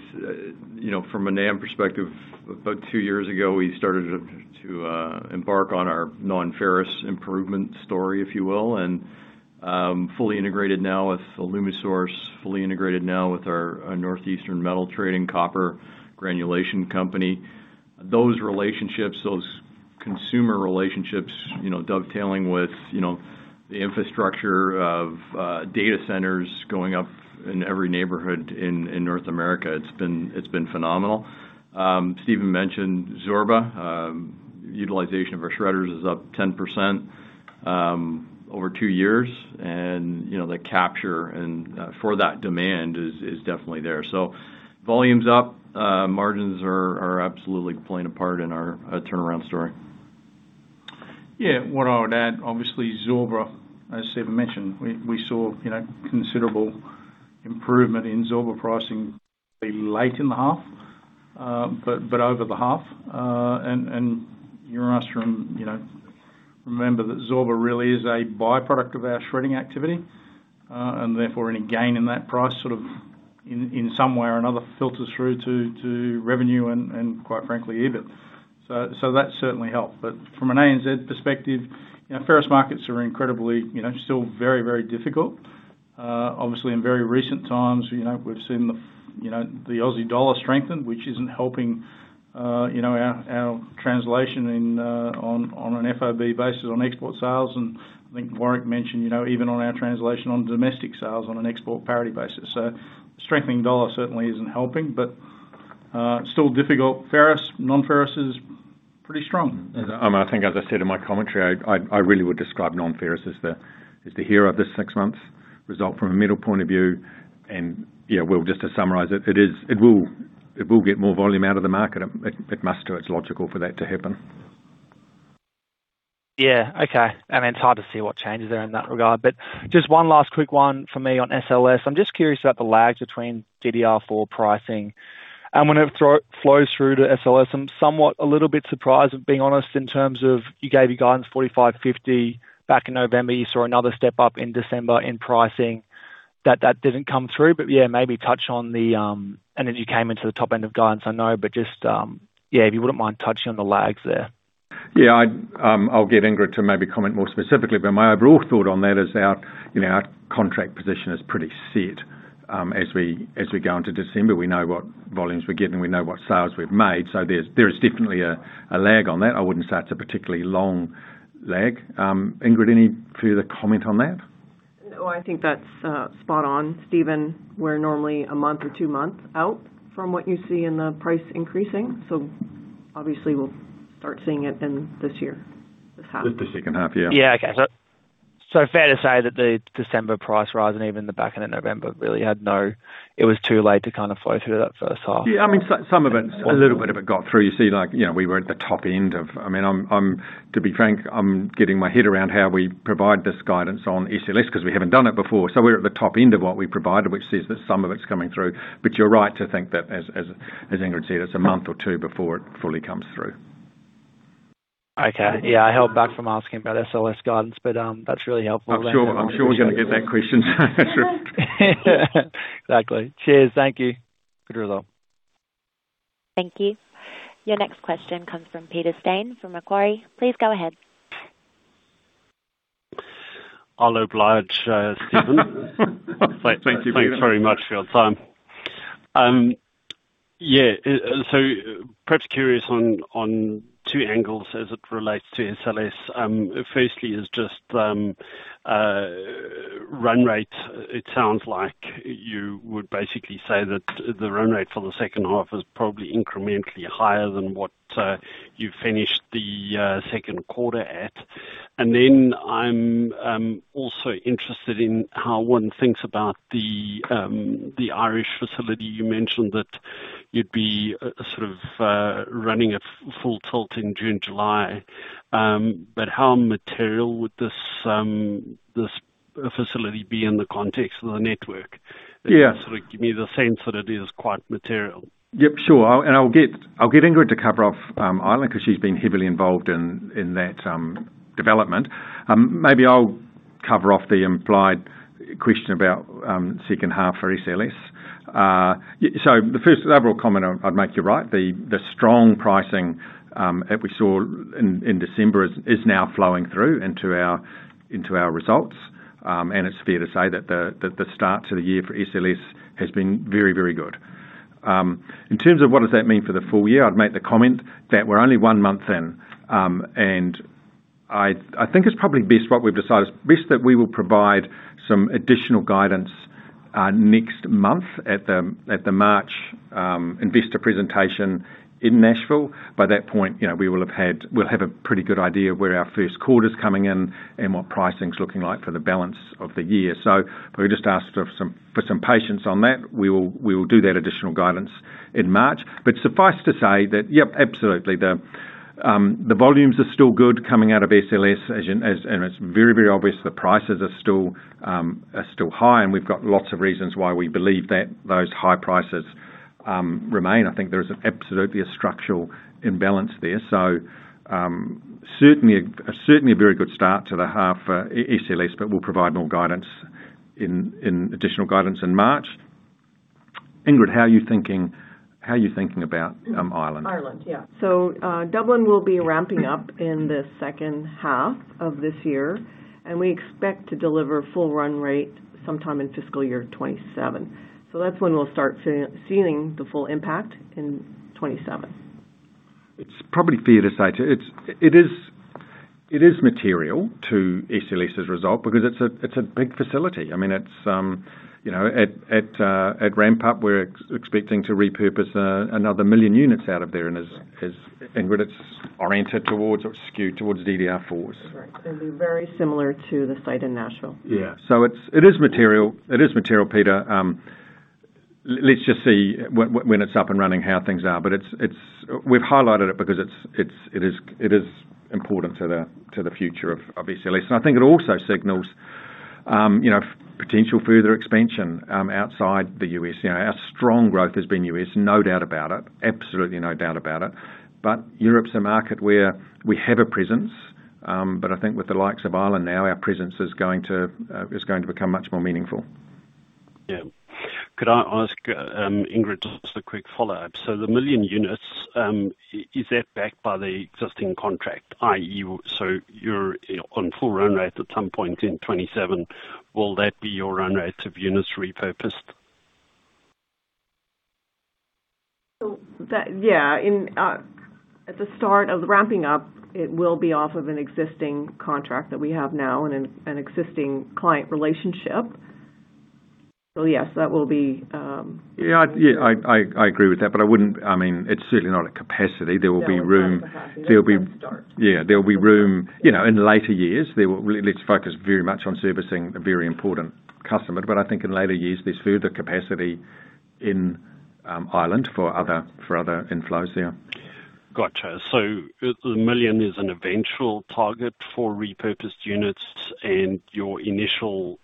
you know, from a NAM perspective, about two years ago, we started to embark on our non-ferrous improvement story, if you will, and fully integrated now with Alumisource, fully integrated now with our Northeast Metal Trader copper granulation company. Those relationships, those consumer relationships dovetailing with the infrastructure of data centers going up in every neighborhood in North America, it's been phenomenal. Stephen mentioned Zorba. Utilization of our shredders is up 10% over two years, and the capture and for that demand is definitely there. So volumes up, margins are absolutely playing a part in our turnaround story. What I would add, obviously, Zorba, as Stephen mentioned, we saw considerable improvement in Zorba pricing late in the half, but over the half. And you ask, remember that Zorba really is a by-product of our shredding activity, and therefore, any gain in that price in some way or another, filters through to revenue and quite frankly, EBIT. So that certainly helped. But from an ANZ perspective, ferrous markets are incredibly still very, very difficult. Obviously, in very recent times we've seen the Aussie dollar strengthen, which isn't helping, you know, our translation in on an FOB basis on export sales. I think Warrick mentioned, you know, even on our translation on domestic sales on an export parity basis. So strengthening dollar certainly isn't helping, but still difficult. Ferrous, non-ferrous is pretty strong. I think as I said in my commentary, I really would describe non-ferrous as the hero of this six-month result from a middle point of view. Well, just to summarize it will get more volume out of the market. It must do. It's logical for that to happen. It's hard to see what changes are in that regard. But just one last quick one for me on SLS. I'm just curious about the lags in DDR4 pricing. And when it flows through to SLS, I'm somewhat a little bit surprised, if being honest, in terms of you gave your guidance 45-50 back in November. You saw another step up in December in pricing hat didn't come through. And then you came into the top end of guidance, if you wouldn't mind touching on the lags there. I'll get Ingrid to maybe comment more specifically, but my overall thought on that is our, you know, our contract position is pretty set, as we go into December. We know what volumes we're getting, we know what sales we've made, so there's, there is definitely a lag on that. I wouldn't say it's a particularly long lag. Ingrid, any further comment on that? That's spot on, Stephen. We're normally a month or two months out from what you see in the price increasing, so obviously we'll start seeing it in this year, this half. Just the second half. Fair to say that the December price rise and even the back end of November really had no, it was too late to kind of flow through that first half? Some of it, a little bit of it got through. You see we were at the top end of, I'm to be frank, I'm getting my head around how we provide this guidance on SLS because we haven't done it before. So we're at the top end of what we provided, which is that some of it's coming through. But you're right to think that as Ingrid said, it's a month or two before it fully comes through. I held back from asking about SLS guidance, but that's really helpful. I'm sure we're gonna get that question. Exactly. Cheers. Thank you. Good result. Thank you. Your next question comes from Peter Steyn, from Macquarie. Please go ahead. I'll oblige, Stephen. Thank you, Peter. Thanks very much for your time. So perhaps curious on two angles as it relates to SLS. Firstly is just run rate. It sounds like you would basically say that the run rate for the second half is probably incrementally higher than what you finished the second quarter at. And then I'm also interested in how one thinks about the Irish facility. You mentioned that you'd be sort of running it full tilt in June, July. But how material would this facility be in the context of the network? Give me the sense that it is quite material. Yep, sure. I'll get Ingrid to cover off Ireland, 'cause she's been heavily involved in that development. Maybe I'll cover off the implied question about second half for SLS. So the first overall comment I'd make, you're right, the strong pricing that we saw in December is now flowing through into our results. And it's fair to say that the start to the year for SLS has been very, very good. In terms of what does that mean for the full year, I'd make the comment that we're only one month in. And I think it's probably best what we've decided, it's best that we will provide some additional guidance next month at the March investor presentation in Nashville. By that point, we'll have a pretty good idea of where our first quarter's coming in and what pricing's looking like for the balance of the year. So we just ask for some patience on that. We will do that additional guidance in March. But suffice to say that, absolutely, the volumes are still good coming out of SLS, and it's very obvious the prices are still high, and we've got lots of reasons why we believe that those high prices remain. I think there is absolutely a structural imbalance there. So, certainly a very good start to the half for SLS, but we'll provide more guidance in additional guidance in March. Ingrid, how are you thinking about Ireland? Ireland. So, Dublin will be ramping up in the second half of this year, and we expect to deliver full run rate sometime in fiscal year 2027. So that's when we'll start seeing the full impact in 2027. It's probably fair to say, too, it is material to SLS's result because it's a big facility. I mean, it's, you know, at ramp up, we're expecting to repurpose another 1 million units out of there, and as Ingrid, it's oriented towards or skewed towards DDR4s. Right. It'll be very similar to the site in Nashville. It is material, Peter. Let's just see when it's up and running, how things are. We've highlighted it because it's, it's, it is, it is important to the, to the future of, of SLS. And I think it also signals potential further expansion, outside the U.S.. Our strong growth has been US. Absolutely no doubt about it. But Europe's a market where we have a presence, but I think with the likes of Ireland now, our presence is going to become much more meaningful. Could I ask, Ingrid, just a quick follow-up? The 1 million units, is that backed by the existing contract, i.e., you're on full run rate at some point in 2027, will that be your run rate of units repurposed? In at the start of ramping up, it will be off of an existing contract that we have now and an existing client relationship. So yes, that will be. I agree with that, but it's certainly not at capacity. No. There'll be room in later years. There will. Let's focus very much on servicing a very important customer, but I think in later years, there's further capacity in Ireland, for other inflows there. 1 million is an eventual target for repurposed units, and your initial,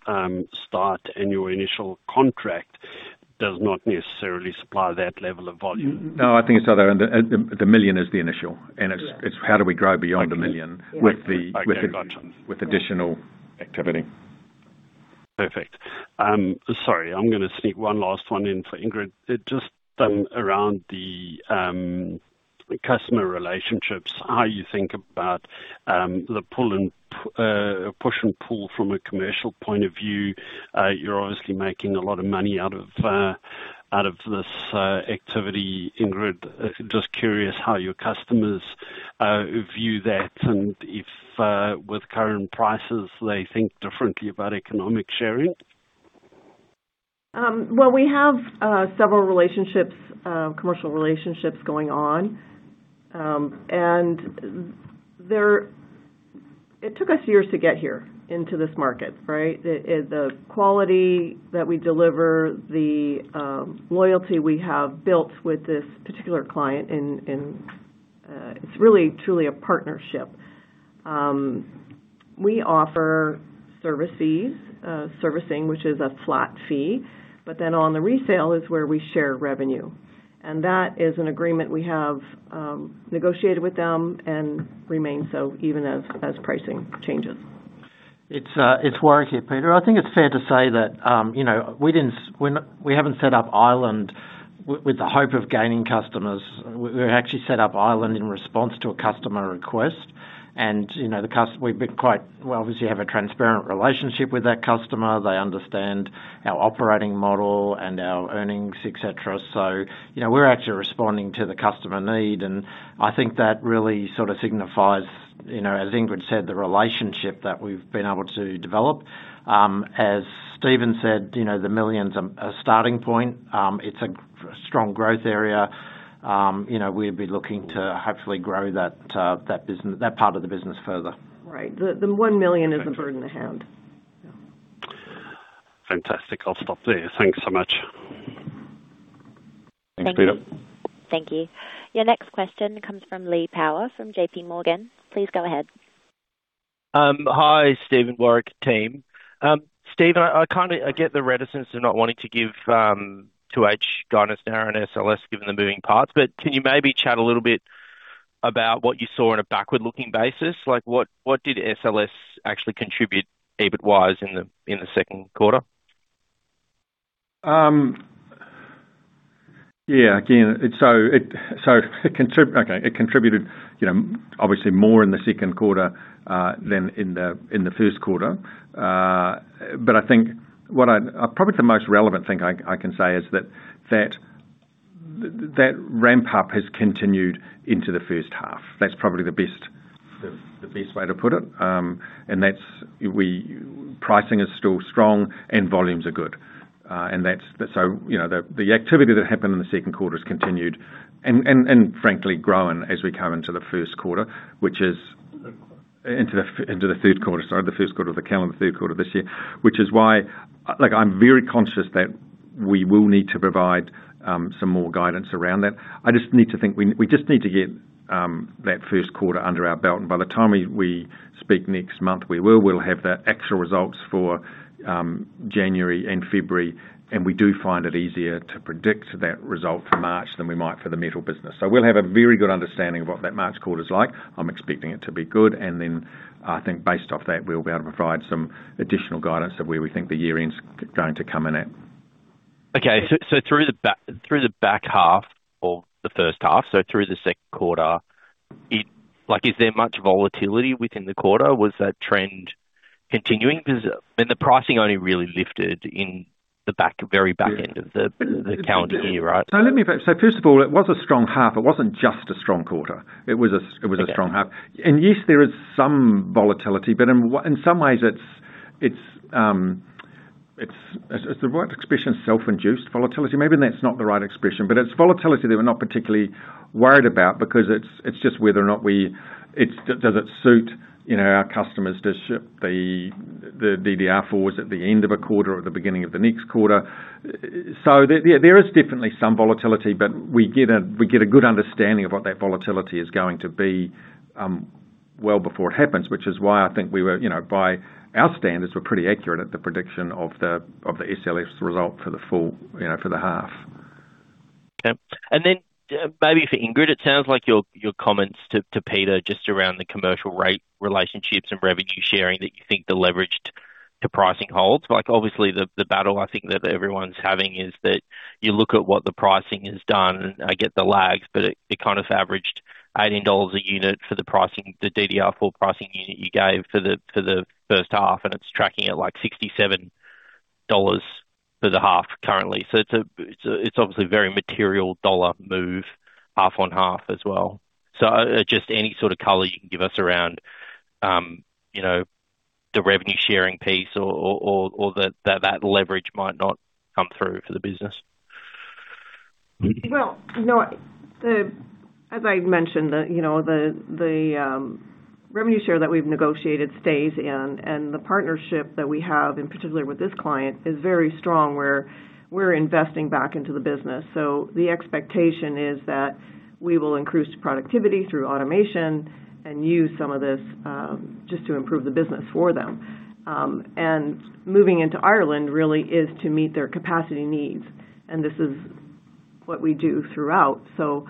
start and your initial contract does not necessarily supply that level of volume? No, I think it's the other way around. The million is the initial and it's, it's how do we grow beyond a million with the with additional activity. Perfect. Sorry, I'm gonna sneak one last one in for Ingrid. It just around the customer relationships, how you think about the pull and push and pull from a commercial point of view. You're obviously making a lot of money out of this activity, Ingrid. Just curious how your customers view that, and if, with current prices, they think differently about economic sharing. Well, we have several commercial relationships going on. It took us years to get here, into this market, right? The quality that we deliver, the loyalty we have built with this particular client, in it's really, truly a partnership. We offer services, servicing, which is a flat fee, but then on the resale is where we share revenue. And that is an agreement we have negotiated with them and remains so even as pricing changes. It's Warrick here, Peter. I think it's fair to say that, you know, we didn't – we're not – we haven't set up Ireland with the hope of gaining customers. We actually set up Ireland in response to a customer request. And, you know, the customer – we've been quite, well, obviously have a transparent relationship with that customer. They understand our operating model and our earnings, et cetera. So, you know, we're actually responding to the customer need, and I think that really sort of signifies, you know, as Ingrid said, the relationship that we've been able to develop. As Stephen said, you know, the millions are a starting point. It's a strong growth area. You know, we'd be looking to hopefully grow that, that part of the business further. Right. The 1 million is a bird in the hand. Fantastic. I'll stop there. Thanks so much. Thanks, Peter. Thank you. Your next question comes from Lee Power, from JPMorgan. Please go ahead. Hi, Stephen, Warrick, team. Stephen, I kind of get the reticence of not wanting to give too much guidance now on SLS, given the moving parts, but can you maybe chat a little bit about what you saw on a backward-looking basis? Like, what did SLS actually contribute EBIT-wise in the second quarter? Again, it contributed, obviously, more in the second quarter than in the first quarter. But I think probably the most relevant thing I can say is that that ramp-up has continued into the first half. That's probably the best way to put it. And pricing is still strong and volumes are good. And so, you know, the activity that happened in the second quarter has continued and frankly grown as we come into the first quarter, which is into the third quarter, sorry, the first quarter of the calendar, third quarter of this year. Which is why, like, I'm very conscious that we will need to provide some more guidance around that. I just need to think we just need to get that first quarter under our belt. And by the time we speak next month, we will have the actual results for January and February, and we do find it easier to predict that result for March than we might for the metal business. So we'll have a very good understanding of what that March quarter is like. I'm expecting it to be good, and then I think based off that, we'll be able to provide some additional guidance of where we think the year-end's going to come in at. Okay. So through the back half or the first half, so through the second quarter, is there much volatility within the quarter? Was that trend continuing? Because, I mean, the pricing only really lifted in the back, very back end of the calendar year, right? Let me first of all, it was a strong half. It wasn't just a strong quarter; it was a strong half. And yes, there is some volatility, but in some ways, it is the right expression, self-induced volatility? Maybe that's not the right expression, but it's volatility that we're not particularly worried about because it's just whether or not it does suit, you know, our customers to ship the DDR4s at the end of a quarter or the beginning of the next quarter. There is definitely some volatility, but we get a good understanding of what that volatility is going to be well before it happens, which is why I think we were by our standards, we're pretty accurate at the prediction of the SLS result for the half. Okay. And then, maybe for Ingrid, it sounds like your comments to Peter, just around the commercial rate, relationships, and revenue sharing, that you think the leverage to pricing holds. Like, obviously, the battle I think that everyone's having is that you look at what the pricing has done, and I get the lags, but it kind of averaged $18 a unit for the pricing, the DDR4 pricing unit you gave for the first half, and it's tracking at, like, $67 for the half currently. So it's obviously a very material dollar move, half on half as well. So, just any sort of color you can give us around, you know, the revenue sharing piece or that leverage might not come through for the business? Well, as I mentioned, the revenue share that we've negotiated stays in, and the partnership that we have, in particular with this client, is very strong, where we're investing back into the business. So the expectation is that we will increase productivity through automation and use some of this just to improve the business for them. And moving into Ireland really is to meet their capacity needs, and this is what we do throughout. So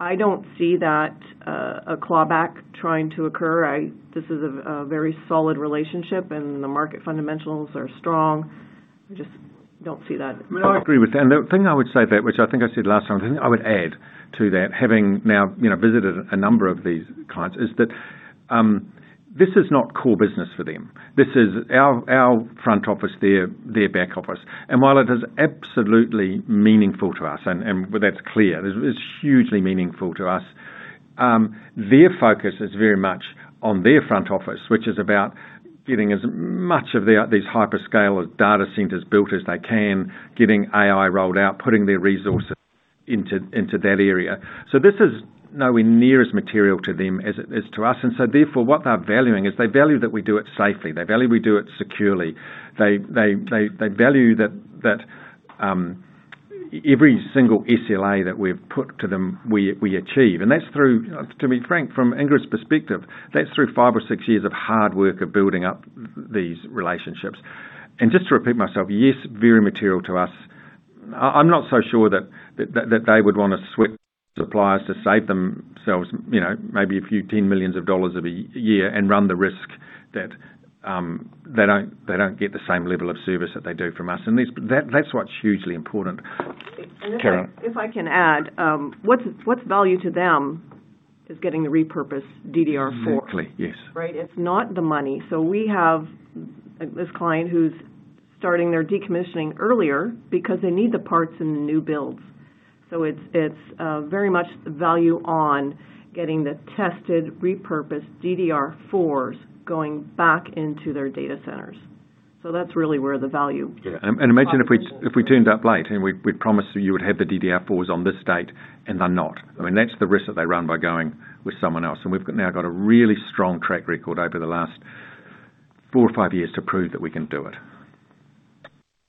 I don't see that a clawback trying to occur. This is a very solid relationship, and the market fundamentals are strong. I just don't see that. Well, I agree with that, and the thing I would say that, which I think I said last time, the thing I would add to that, having now, you know, visited a number of these clients, is that this is not core business for them. This is our front office, their back office. And while it is absolutely meaningful to us, and well, that's clear, it's hugely meaningful to us. Their focus is very much on their front office, which is about getting as much of these hyperscalers data centers built as they can, getting AI rolled out, putting their resources into that area. So this is nowhere near as material to them as it is to us, and so therefore, what they're valuing is, they value that we do it safely, they value we do it securely, they value that every single SLA that we've put to them, we achieve. And that's through, to be frank, from Ingrid's perspective, that's through five or six years of hard work of building up these relationships. And just to repeat myself, yes, very material to us. I'm not so sure that they would wanna switch suppliers to save themselves, you know, maybe a few $10 million a year and run the risk that they don't get the same level of service that they do from us, and that's what's hugely important, Ingrid. If I can add, what's value to them is getting the repurposed DDR4, right? It's not the money. So we have this client who's starting their decommissioning earlier because they need the parts in the new builds. So it's very much value on getting the tested, repurposed DDR4s going back into their data centers. So that's really where the value. Imagine if we turned up late, and we promised that you would have the DDR4s on this date, and they're not. I mean, that's the risk that they run by going with someone else, and we've now got a really strong track record over the last four or five years to prove that we can do it.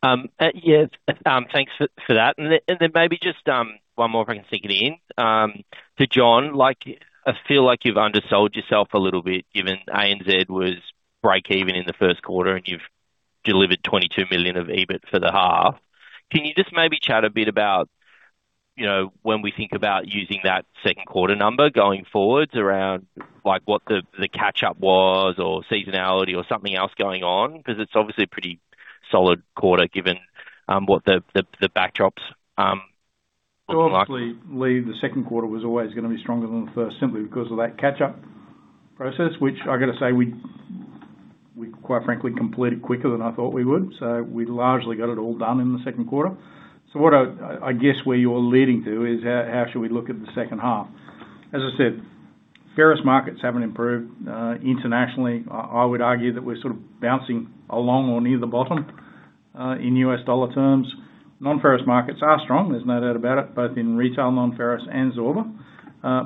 Thanks for that. And then maybe just one more if I can sneak it in. To John, like, I feel like you've undersold yourself a little bit, given ANZ was breakeven in the first quarter, and you've delivered 22 million of EBIT for the half. Can you just maybe chat a bit about, you know, when we think about using that second quarter number going forwards around, like, what the catch-up was, or seasonality, or something else going on? Because it's obviously a pretty solid quarter given what the backdrops look like. So honestly, Lee, the second quarter was always gonna be stronger than the first, simply because of that catch-up process, which I've got to say, we quite frankly completed quicker than I thought we would. So we largely got it all done in the second quarter. So what I guess, where you're leading to is how should we look at the second half? As I said, ferrous markets haven't improved internationally. I would argue that we're sort of bouncing along or near the bottom in US dollar terms. Non-ferrous markets are strong, there's no doubt about it, both in retail non-ferrous and Zorba.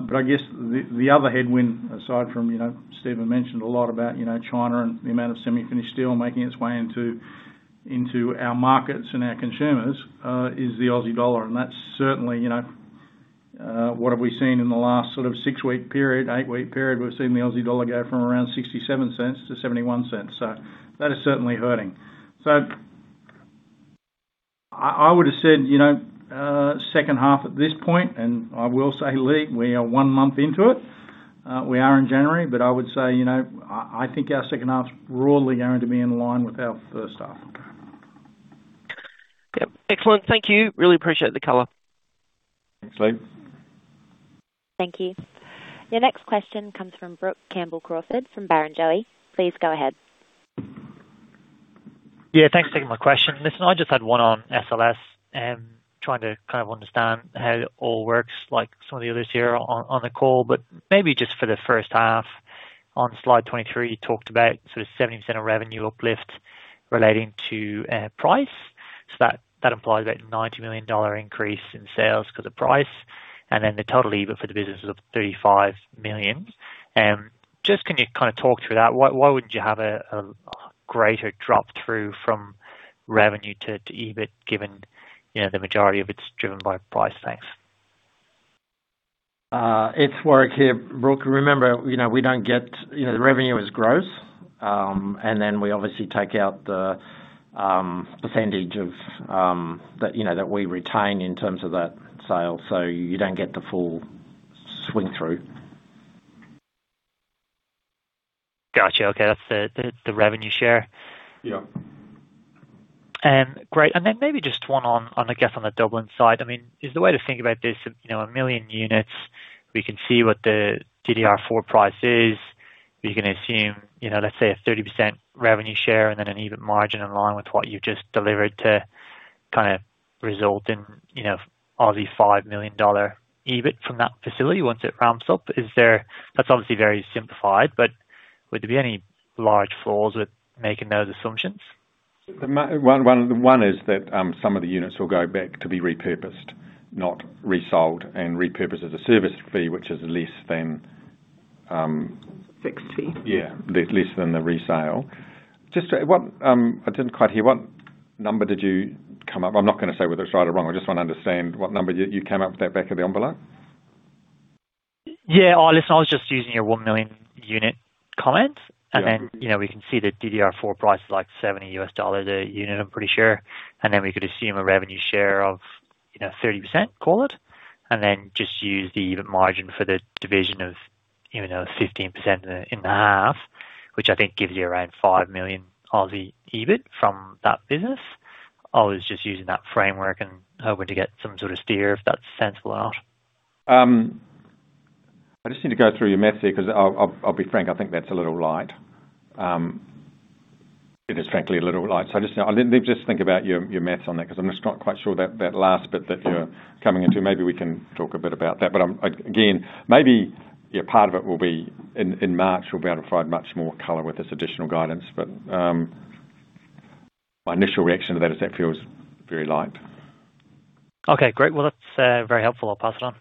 But I guess the other headwind, aside from, you know, Stephen mentioned a lot about, you know, China and the amount of semi-finished steel making its way into our markets and our consumers, is the Aussie dollar. That's certainly, you know, what have we seen in the last sort of six-week period, eight-week period? We've seen the Aussie dollar go from around $0.67 to $0.71, so that is certainly hurting. So I, I would've said, you know, second half at this point, and I will say, Lee, we are one month into it, we are in January, but I would say, you know, I, I think our second half's broadly going to be in line with our first half. Yep. Excellent. Thank you. Really appreciate the color. Thanks, Lee. Thank you. Your next question comes from Brook Campbell-Crawford, from Barrenjoey. Please go ahead. Thanks for taking my question. Listen, I just had one on SLS, and trying to kind of understand how it all works, like some of the others here on the call. But maybe just for the first half, on slide 23, you talked about sort of 70% of revenue uplift relating to price. So that, that implies about $90 million increase in sales because of price, and then the total EBIT for the business is of $35 million. Just can you talk through that? Why wouldn't you have a greater drop through from revenue to EBIT, given, you know, the majority of it's driven by price? Thanks. It's Warrick here. Brook, remember, you know, we don't get the revenue is gross, and then we obviously take out the percentage of that we retain in terms of that sale, so you don't get the full swing through. Gotcha. Okay, that's the revenue share. Yeah. Great. And then maybe just one on, I guess, on the Dublin side. I mean, is the way to think about this, you know, 1 million units, we can see what the DDR4 price is. We can assume, you know, let's say a 30% revenue share, and then an EBIT margin in line with what you've just delivered to kind of result in, you know, 5 million dollar EBIT from that facility once it ramps up. Is there- That's obviously very simplified, but would there be any large flaws with making those assumptions? The main one is that some of the units will go back to be repurposed, not resold, and repurposed as a service fee, which is less than 60. Less than the resale. Just what, I didn't quite hear, what number did you come up with? I'm not gonna say whether it's right or wrong, I just want to understand what number you came up with that back of the envelope. Listen, I was just using your 1 million unit comment. And then, we can see the DDR4 price, like $70 a unit, I'm pretty sure. And then we could assume a revenue share of, you know, 30%, call it, and then just use the EBIT margin for the division of, you know, 15% in the half, which I think gives you around 5 million EBIT from that business. I was just using that framework and hoping to get some sort of steer if that's sensible or not. I just need to go through your math here, 'cause I'll be frank, I think that's a little light. It is frankly a little light. So just, let me just think about your math on that, 'cause I'm just not quite sure that last bit that you're coming into, maybe we can talk a bit about that. But I'm part of it will be in March, we'll be able to provide much more color with this additional guidance. But, my initial reaction to that is that feels very light. Okay, great. Well, that's very helpful. I'll pass it on.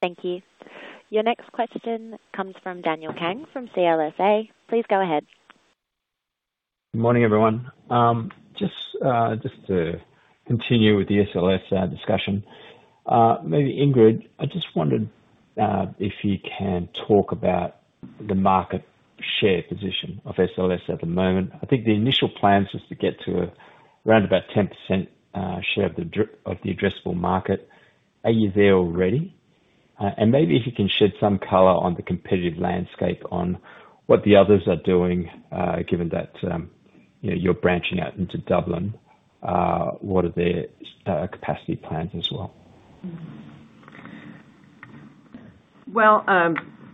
Thank you. Your next question comes from Daniel Kang from CLSA. Please go ahead. Good morning, everyone. Just to continue with the SLS discussion, maybe Ingrid, I just wondered if you can talk about the market share position of SLS at the moment. I think the initial plans was to get to around about 10% share of the addressable market. Are you there already? And maybe if you can shed some color on the competitive landscape on what the others are doing, given that, you know, you're branching out into Dublin, what are their capacity plans as well? Well,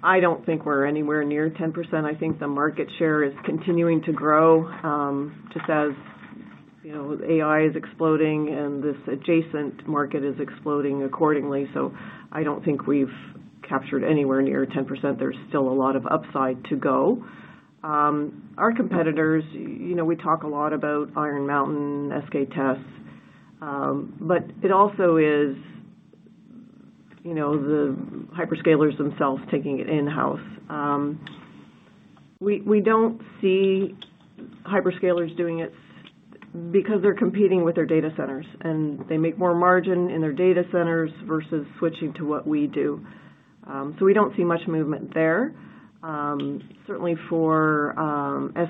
I don't think we're anywhere near 10%. I think the market share is continuing to grow, just as, you know, AI is exploding and this adjacent market is exploding accordingly. So I don't think we've captured anywhere near 10%. There's still a lot of upside to go. Our competitors, you know, we talk a lot about Iron Mountain, SK tes, but it also is the hyperscalers themselves taking it in-house. We, we don't see hyperscalers doing it because they're competing with their data centers, and they make more margin in their data centers versus switching to what we do. So we don't see much movement there. Certainly for,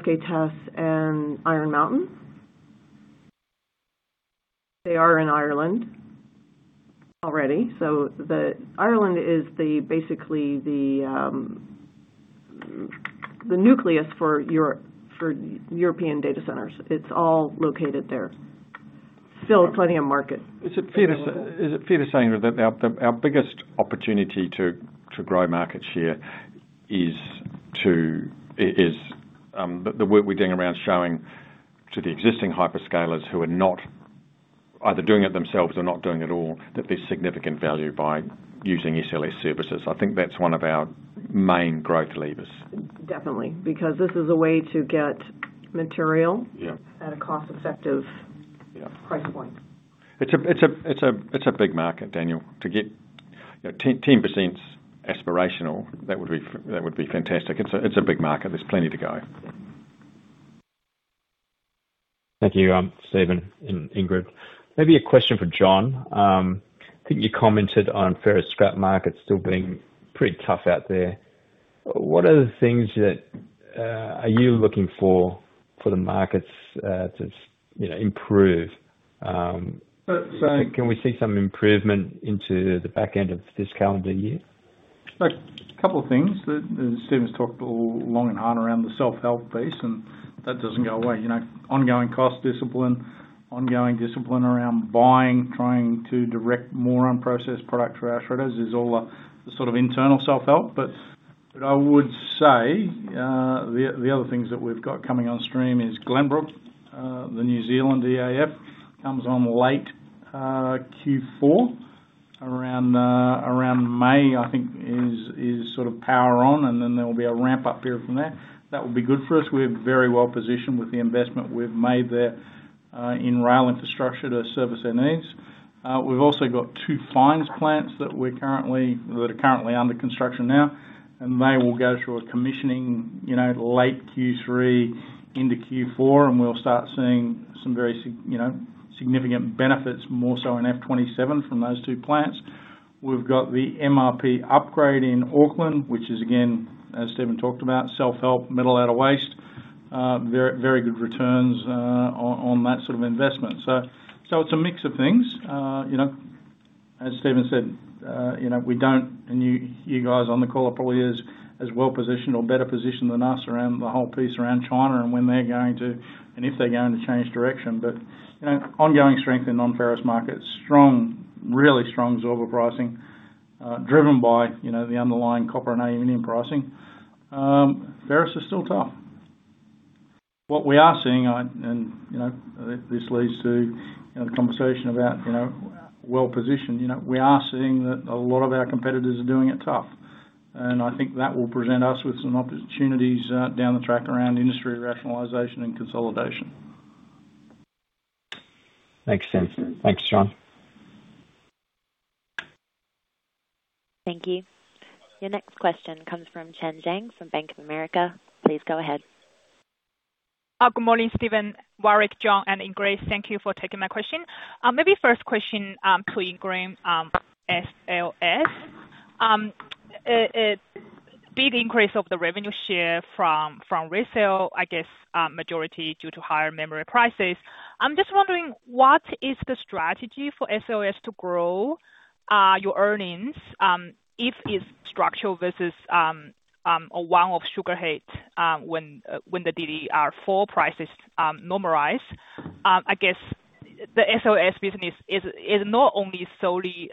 SK tes and Iron Mountain, they are in Ireland already, so the Ireland is the basically the, the nucleus for Europe for European data centers. It's all located there. Still plenty of market. Is it fair to say that our biggest opportunity to grow market share is the work we're doing around showing to the existing hyperscalers who are not either doing it themselves or not doing it all, that there's significant value by using SLS services? I think that's one of our main growth levers. Definitely, because this is a way to get material at a cost-effective price point. It's a big market, Daniel. To get 10% is aspirational. That would be fantastic. It's a big market. There's plenty to go. Thank you, Stephen and Ingrid. Maybe a question for John. I think you commented on ferrous scrap markets still being pretty tough out there. What are the things that are you looking for the markets to improve? Can we see some improvement into the back end of this calendar year? A couple of things that Stephen's talked at length and hard around the self-help piece, and that doesn't go away. You know, ongoing cost discipline, ongoing discipline around buying, trying to direct more unprocessed product through our shredders is all a sort of internal self-help. But I would say, the other things that we've got coming on stream is Glenbrook, the New Zealand EAF, comes on late Q4, around May, I think, is sort of power on, and then there will be a ramp up here from there. That will be good for us. We're very well positioned with the investment we've made there, in rail infrastructure to service their needs. We've also got 2 fines plants that are currently under construction now, and they will go through a commissioning, you know, late Q3 into Q4, and we'll start seeing some very, you know, significant benefits, more so in FY27 from those 2 plants. We've got the MRP upgrade in Auckland, which is, again, as Stephen talked about, self-help, metal out of waste. Very, very good returns on that sort of investment. So it's a mix of things. You know, as Stephen said, you know, we don't – and you guys on the call are probably as well positioned or better positioned than us around the whole piece around China and when they're going to, and if they're going to change direction. But, you know, ongoing strength in non-ferrous markets, strong, really strong export pricing, driven by, you know, the underlying copper and aluminum pricing. Ferrous is still tough. What we are seeing, and, you know, this leads to, you know, the conversation about, you know, well-positioned. You know, we are seeing that a lot of our competitors are doing it tough, and I think that will present us with some opportunities, down the track around industry rationalization and consolidation. Makes sense. Thanks, John. Thank you. Your next question comes from Chen Jiang, from Bank of America. Please go ahead. Good morning, Stephen, Warrick, John, and Ingrid. Thank you for taking my question. Maybe first question to Ingrid, SLS. Big increase of the revenue share from resale, I guess, majority due to higher memory prices. I'm just wondering what is the strategy for SLS to grow your earnings if it's structural versus a one-off sugar hit when the DDR4 prices normalize? I guess the SLS business is not only solely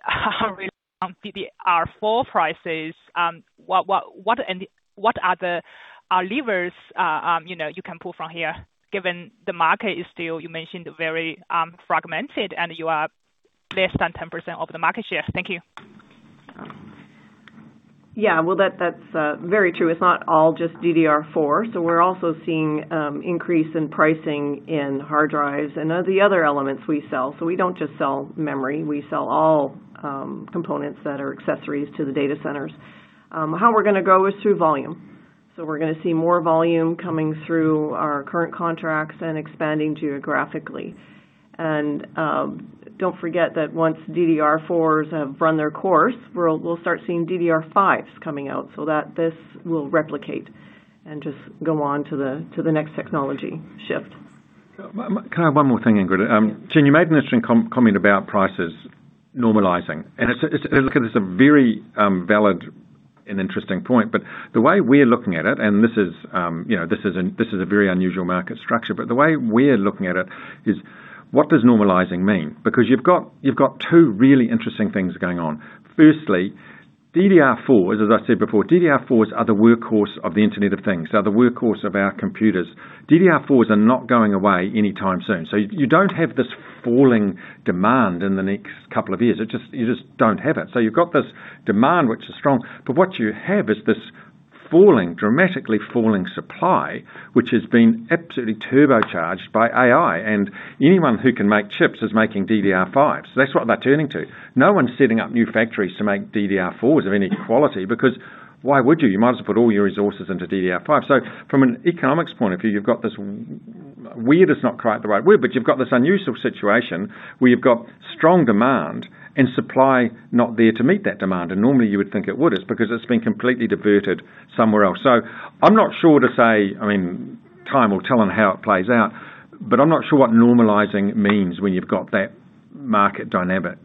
on DDR4 prices, what are the levers you know you can pull from here, given the market is still, you mentioned, very fragmented, and you are less than 10% of the market share? Thank you. That's very true. It's not all just DDR4. So we're also seeing increase in pricing in hard drives and the other elements we sell. So we don't just sell memory, we sell all components that are accessories to the data centers. How we're gonna grow is through volume. So we're gonna see more volume coming through our current contracts and expanding geographically. And don't forget that once DDR4s have run their course, we'll start seeing DDR5s coming out, so that this will replicate and just go on to the next technology shift. Can I have one more thing, Ingrid? Chen, you made an interesting comment about prices normalizing, and it's a very valid and interesting point. But the way we're looking at it, and this is, you know, this is a very unusual market structure, but the way we're looking at it is, what does normalizing mean? Because you've got two really interesting things going on. Firstly, DDR4s, as I said before, DDR4s are the workhorse of the Internet of Things. They're the workhorse of our computers. DDR4s are not going away anytime soon, so you don't have this falling demand in the next couple of years. It just. You just don't have it. So you've got this demand, which is strong, but what you have is this falling, dramatically falling supply, which has been absolutely turbocharged by AI. And anyone who can make chips is making DDR5s. So that's what they're turning to. No one's setting up new factories to make DDR4s of any quality, because why would you? You might as well put all your resources into DDR5. So from an economics point of view, you've got this, weird is not quite the right word, but you've got this unusual situation where you've got strong demand and supply not there to meet that demand, and normally you would think it would, it's because it's been completely diverted somewhere else. So I'm not sure to say, time will tell on how it plays out, but I'm not sure what normalizing means when you've got that market dynamic.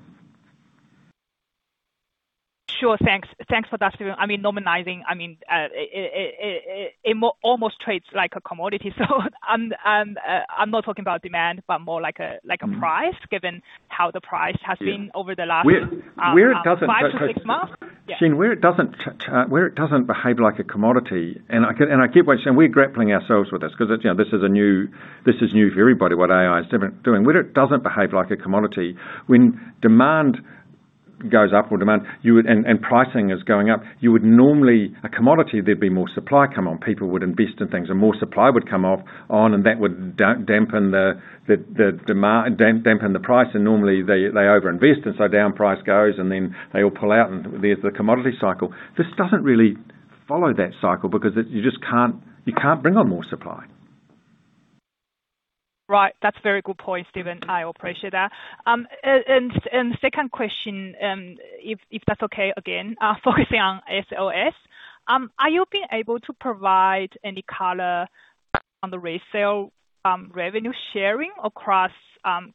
Sure. Thanks, thanks for that, Stephen. I mean, normalizing, I mean, it almost trades like a commodity, so, I'm not talking about demand, but more like a like a price, given how the price has been over the last 5-6 months? Chen, where it doesn't behave like a commodity, and I keep on saying, we're grappling ourselves with this, because it's, you know, this is a new, this is new for everybody, what AI is different doing. Where it doesn't behave like a commodity, when demand goes up, and pricing is going up, you would normally more supply come on. People would invest in things, and more supply would come on, and that would dampen the price, and normally they overinvest, and so down price goes, and then they all pull out, and there's the commodity cycle. This doesn't really follow that cycle because you just can't bring on more supply. Right. That's a very good point, Stephen. I appreciate that. And second question, if that's okay, again, focusing on SLS. Are you able to provide any color on the resale revenue sharing across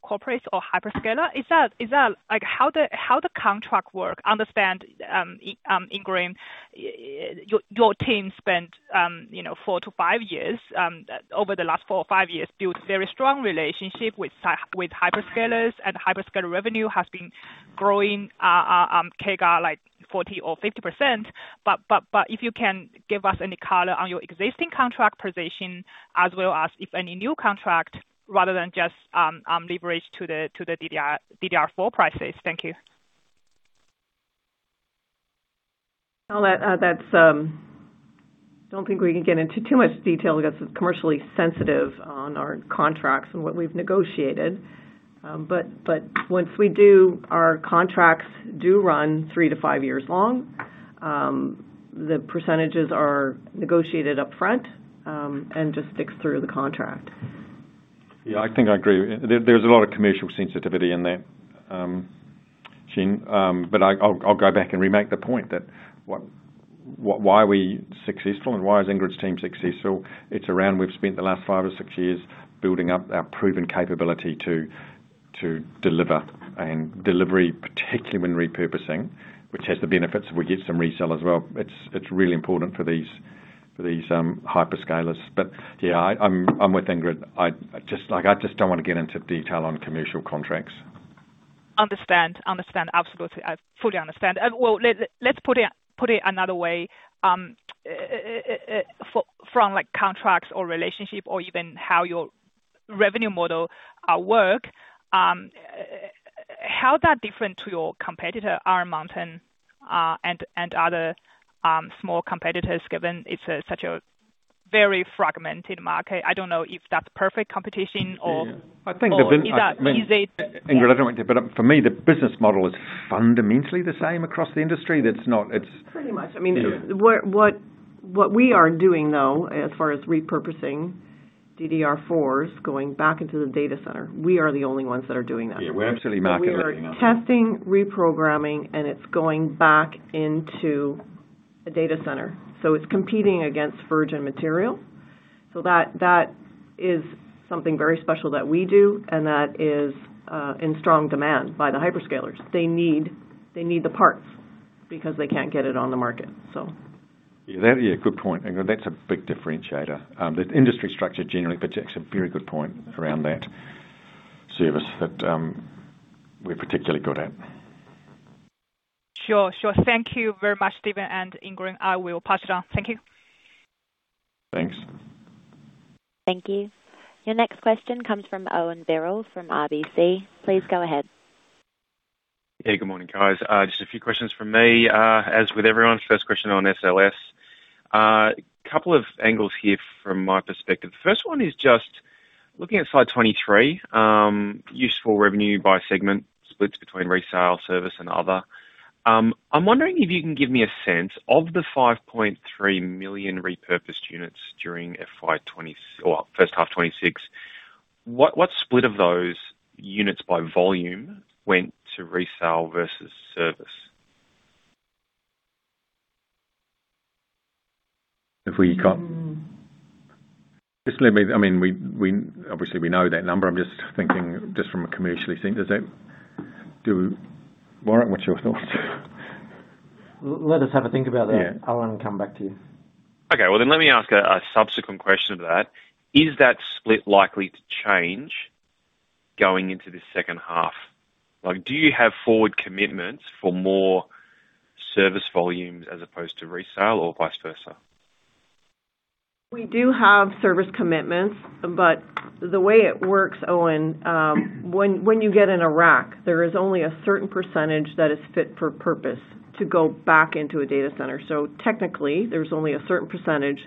corporates or hyperscalers? Is that, like, how the contracts work? I understand, Ingrid, your team spent, you know, four to five years over the last four or five years building a very strong relationship with hyperscalers, and hyperscaler revenue has been growing, CAGR like 40%-50%. But if you can give us any color on your existing contract position, as well as any new contracts, rather than just leverage to the DDR4 prices. Thank you. Don't think we can get into too much detail because it's commercially sensitive on our contracts and what we've negotiated. But once we do, our contracts do run 3-5 years long. The percentages are negotiated upfront, and just sticks through the contract. I think I agree. There's a lot of commercial sensitivity in that, Chen. But I'll go back and remake the point that what, why are we successful and why is Ingrid's team successful? It's around we've spent the last 5 or 6 years building up our proven capability to deliver, and delivery, particularly when repurposing, which has the benefits, we get some resell as well. It's really important for these hyperscalers. I'm with Ingrid. I just, like, I just don't wanna get into detail on commercial contracts. Understand. Understand, absolutely. I fully understand. Well, let's put it, put it another way. From, like, contracts or relationship or even how your revenue model work, how that different to your competitor, Iron Mountain, and other small competitors, given it's a such a very fragmented market? I don't know if that's perfect competition. Ingrid, I don't want to, but for me, the business model is fundamentally the same across the industry. Pretty much. I mean, what we are doing though, as far as repurposing DDR4s, going back into the data center, we are the only ones that are doing that. We're absolutely marketing on it. We are testing, reprogramming, and it's going back into a data center, so it's competing against virgin material. So that, that is something very special that we do, and that is in strong demand by the hyperscalers. They need, they need the parts because they can't get it on the market, so. Good point, Ingrid. That's a big differentiator. The industry structure generally, but that's a very good point around that service that, we're particularly good at. Thank you very much, Stephen and Ingrid. I will pass it on. Thank you. Thanks. Thank you. Your next question comes from Owen Birrell from RBC. Please go ahead. Hey, good morning, guys. Just a few questions from me. As with everyone, first question on SLS. Couple of angles here from my perspective. The first one is just looking at slide 23, useful revenue by segment splits between resale, service, and other. I'm wondering if you can give me a sense of the 5.3 million repurposed units during FY 2026 or first half 2026. What, what split of those units by volume went to resale versus service? Just let me. I mean, we obviously know that number. I'm just thinking, just from a commercial thing. Warrick, what's your thoughts? Let us have a think about that. I'll want to come back to you. Okay. Well, then let me ask a subsequent question to that: Is that split likely to change going into the second half? Like, do you have forward commitments for more service volumes as opposed to resale or vice versa? We do have service commitments, but the way it works, Owen, when you get in a rack, there is only a certain percentage that is fit for purpose to go back into a data center. So technically, there's only a certain percentage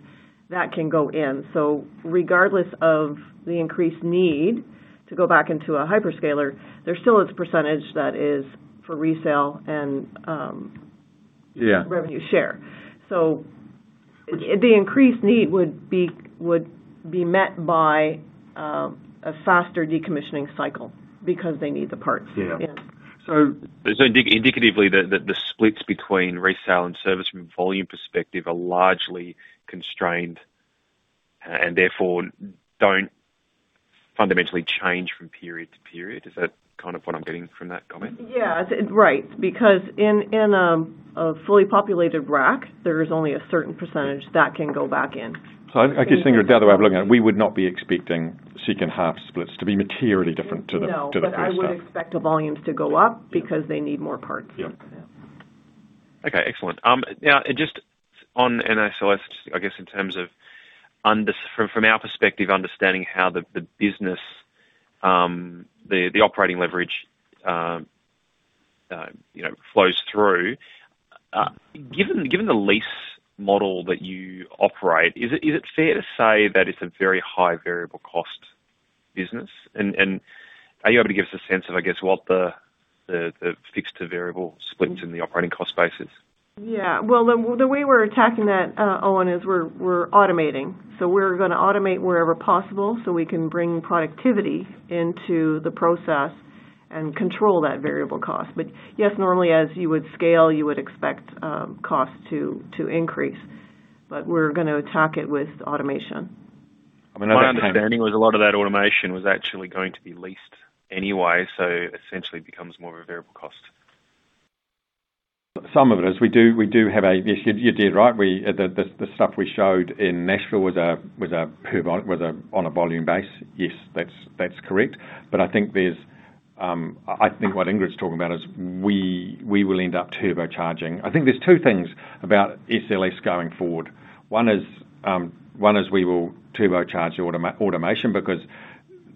that can go in. So regardless of the increased need to go back into a hyperscaler, there still is a percentage that is for resale and revenue share. So the increased need would be, would be met by a faster decommissioning cycle because they need the parts. So, indicatively, the splits between resale and service from a volume perspective are largely constrained, and therefore don't fundamentally change from period to period. Is that kind of what I'm getting from that comment? Right, because in a fully populated rack, there is only a certain percentage that can go back in. So I just think the other way of looking at it, we would not be expecting second half splits to be materially different to the to the first half. But I would expect the volumes to go up because they need more parts. Okay, excellent. Now, just on SLS, I guess in terms of from, from our perspective, understanding how the, the business, the, the operating leverage, you know, flows through. Given, given the lease model that you operate, is it, is it fair to say that it's a very high variable cost business? And, and are you able to give us a sense of, I guess, what the, the, the fixed to variable splits in the operating cost base is? Well, the way we're attacking that, Owen, is we're automating. So we're gonna automate wherever possible, so we can bring productivity into the process and control that variable cost. But yes, normally, as you would scale, you would expect costs to increase, but we're gonna attack it with automation. My understanding was a lot of that automation was actually going to be leased anyway, so essentially becomes more of a variable cost. Some of it is. Yes, you did, right. We, the stuff we showed in Nashville was a per-volume basis. Yes, that's correct. But I think there's, I think what Ingrid's talking about is we will end up turbocharging. I think there's two things about SLS going forward. One is, one is we will turbocharge automation because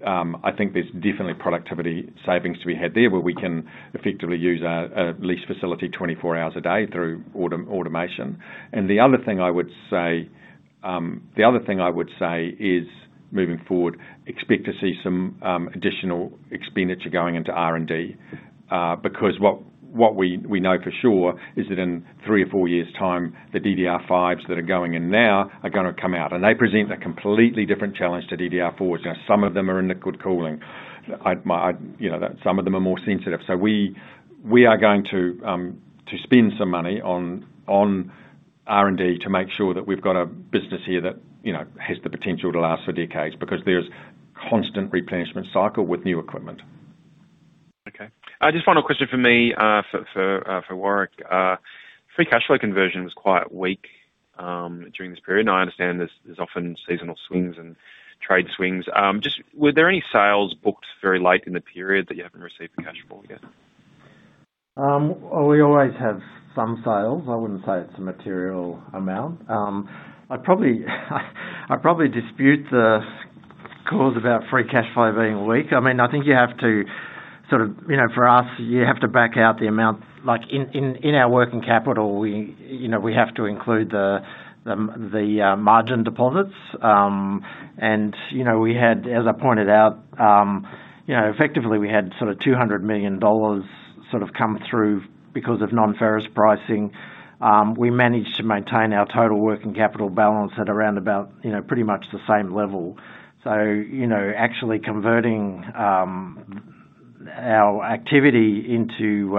I think there's definitely productivity savings to be had there, where we can effectively use a leased facility 24 hours a day through automation. The other thing I would say is, moving forward, expect to see some additional expenditure going into R&D, because what we know for sure is that in 3 or 4 years' time, the DDR5s that are going in now are gonna come out, and they present a completely different challenge to DDR4s. Now, some of them are in liquid cooling. You know, that some of them are more sensitive. So we are going to spend some money on R&D to make sure that we've got a business here that, you know, has the potential to last for decades, because there's constant replenishment cycle with new equipment. Okay. Just one final question from me, for Warrick. Free cash flow conversion was quite weak during this period, and I understand there's often seasonal swings and trade swings. Just were there any sales booked very late in the period that you haven't received the cash flow yet? We always have some sales. I wouldn't say it's a material amount. I'd probably dispute the calls about free cash flow being weak. I mean, I think you have to sort of, you know, for us, you have to back out the amount, like, in our working capital, we, you know, we have to include the margin deposits. And, you know, we had, as I pointed out, you know, effectively, we had sort of $200 million sort of come through because of non-ferrous pricing. We managed to maintain our total working capital balance at around about, you know, pretty much the same level. So, you know, actually converting our activity into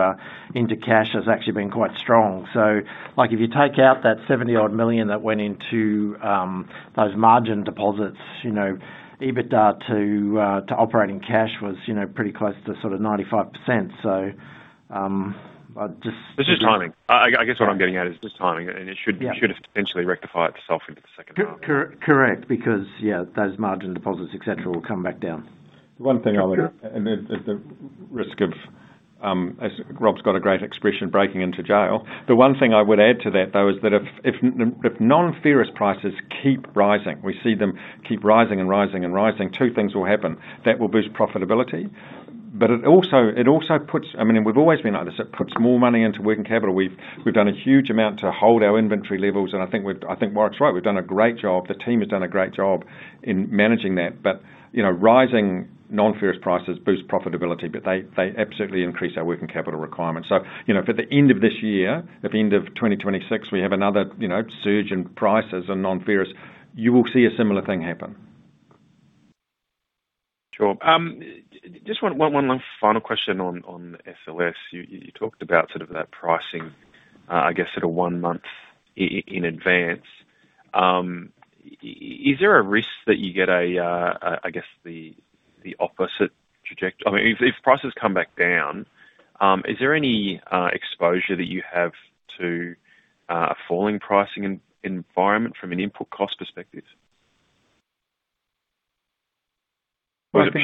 cash has actually been quite strong. So, like, if you take out that 70-odd million that went into those margin deposits, you know, EBITDA to operating cash was, you know, pretty close to sort of 95%. It's just timing. I guess what I'm getting at is just timing, and it should essentially rectify itself into the second half. Correct, because those margin deposits, et cetera, will come back down. One thing I would add, and at the risk of, as Rob's got a great expression, breaking into jail. The one thing I would add to that, though, is that if non-ferrous prices keep rising, we see them keep rising and rising and rising, two things will happen. That will boost profitability, but it also puts, I mean, and we've always been honest, it puts more money into working capital. We've done a huge amount to hold our inventory levels, and I think Mark's right, we've done a great job. The team has done a great job in managing that. But, you know, rising non-ferrous prices boost profitability, but they absolutely increase our working capital requirements. So, you know, for the end of this year, at the end of 2026, we have another, you know, surge in prices and non-ferrous, you will see a similar thing happen. Sure. Just one final question on SLS. You talked about sort of that pricing, I guess, at a one month in advance. Is there a risk that you get a, I guess the opposite trajectory? I mean, if prices come back down, is there any exposure that you have to a falling pricing environment from an input cost perspective?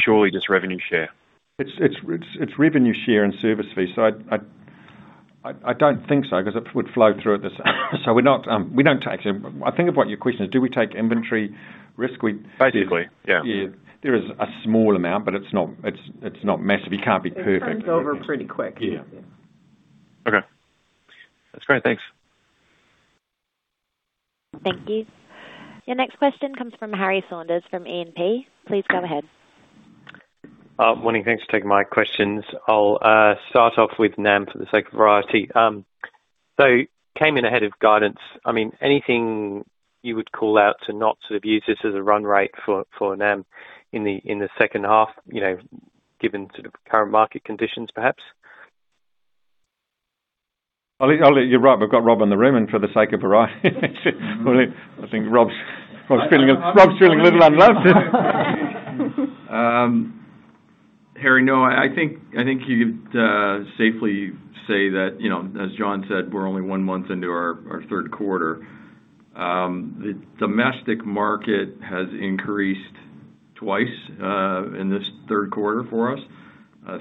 Surely just revenue share. It's revenue share and service fees, so I don't think so, because it would flow through at this. So we're not, we don't take in. I think what your question is, do we take inventory risk? Basically. There is a small amount, but it's not massive. You can't be perfect. It turns over pretty quick. Okay. That's great. Thanks. Thank you. Your next question comes from Harry Saunders, from E&P Please go ahead. Morning. Thanks for taking my questions. I'll start off with NAM for the sake of variety. So came in ahead of guidance. I mean, anything you would call out to not sort of use this as a run rate for NAM in the second half, you know, given sort of current market conditions, perhaps? You're right, we've got Rob in the room, and for the sake of variety, I think Rob's feeling a little unloved. Harry, no, I think you could safely say that, you know, as John said, we're only one month into our third quarter. The domestic market has increased twice in this third quarter for us,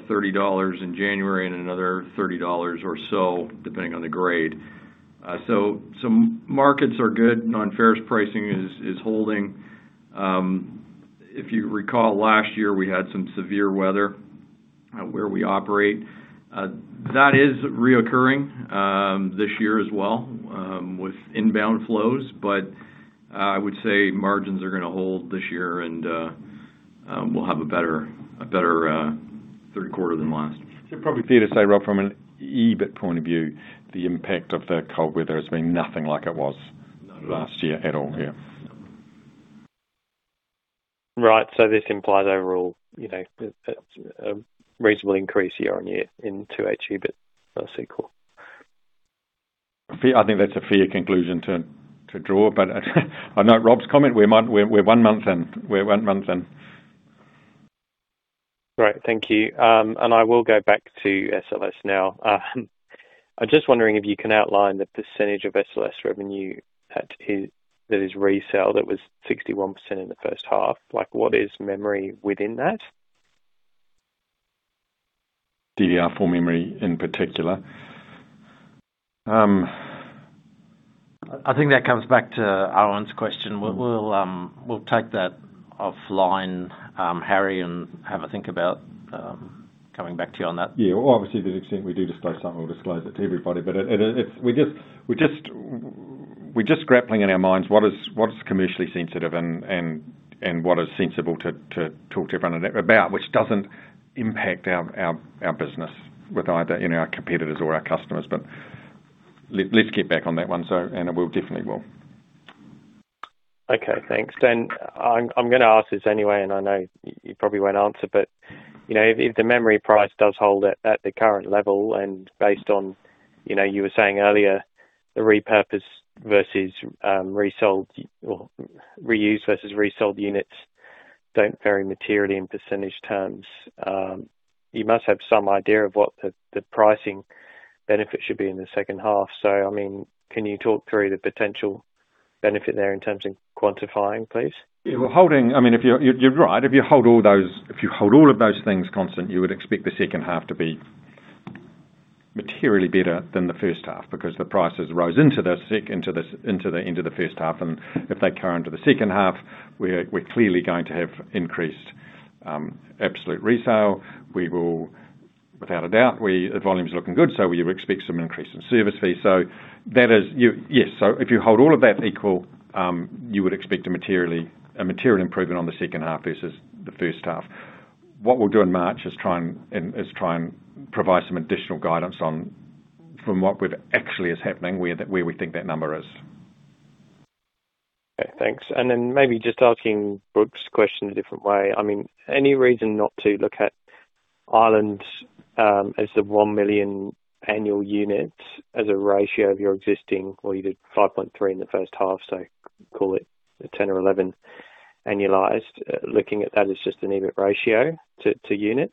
30 dollars in January and another 30 dollars or so, depending on the grade. So some markets are good. Non-ferrous pricing is holding. If you recall, last year we had some severe weather where we operate. That is recurring this year as well with inbound flows. But I would say margins are gonna hold this year and we'll have a better third quarter than last. So probably fair to say, Rob, from an EBIT point of view, the impact of the cold weather has been nothing like it was- Not at all. Last year at all. Right. So this implies overall, you know, a reasonable increase year-on-year in 2H EBIT. That's cool. I think that's a fair conclusion to draw, but I know Rob's comment. We're one month in. We're one month in. Right. Thank you. And I will go back to SLS now. I'm just wondering if you can outline the percentage of SLS revenue that is reselled, that was 61% in the first half. Like, what is memory within that? DDR4 memory in particular. I think that comes back to Owen's question. We'll take that offline, Harry, and have a think about coming back to you on that. Well, obviously, to the extent we do disclose something, we'll disclose it to everybody. We're just grappling in our minds what is commercially sensitive and what is sensible to talk to everyone about, which doesn't impact our business with either our competitors or our customers. But let's get back on that one, so, and we'll definitely will. Okay, thanks. Then, I'm gonna ask this anyway, and I know you probably won't answer, but you know, if the memory price does hold at the current level and based on, you know, you were saying earlier, the repurpose versus resold or reuse versus resold units don't vary materially in percentage terms, you must have some idea of what the pricing benefit should be in the second half. So, I mean, can you talk through the potential benefit there in terms of quantifying, please? I mean, if you're right. If you hold all those, if you hold all of those things constant, you would expect the second half to be materially better than the first half, because the prices rose into the sec- into the first half, and if they carry into the second half, we're clearly going to have increased absolute resale. We will, without a doubt, volume is looking good, so you expect some increase in service fees. Yes, so if you hold all of that equal, you would expect a materially, a material improvement on the second half versus the first half. What we'll do in March is try and provide some additional guidance on, from what we're actually happening, where we think that number is. Okay, thanks. And then maybe just asking Brooke's question a different way. I mean, any reason not to look at Ireland as the 1 million annual units as a ratio of your existing, well, you did 5.3 in the first half, so call it 10 or 11 annualized, looking at that as just an EBIT ratio to unit?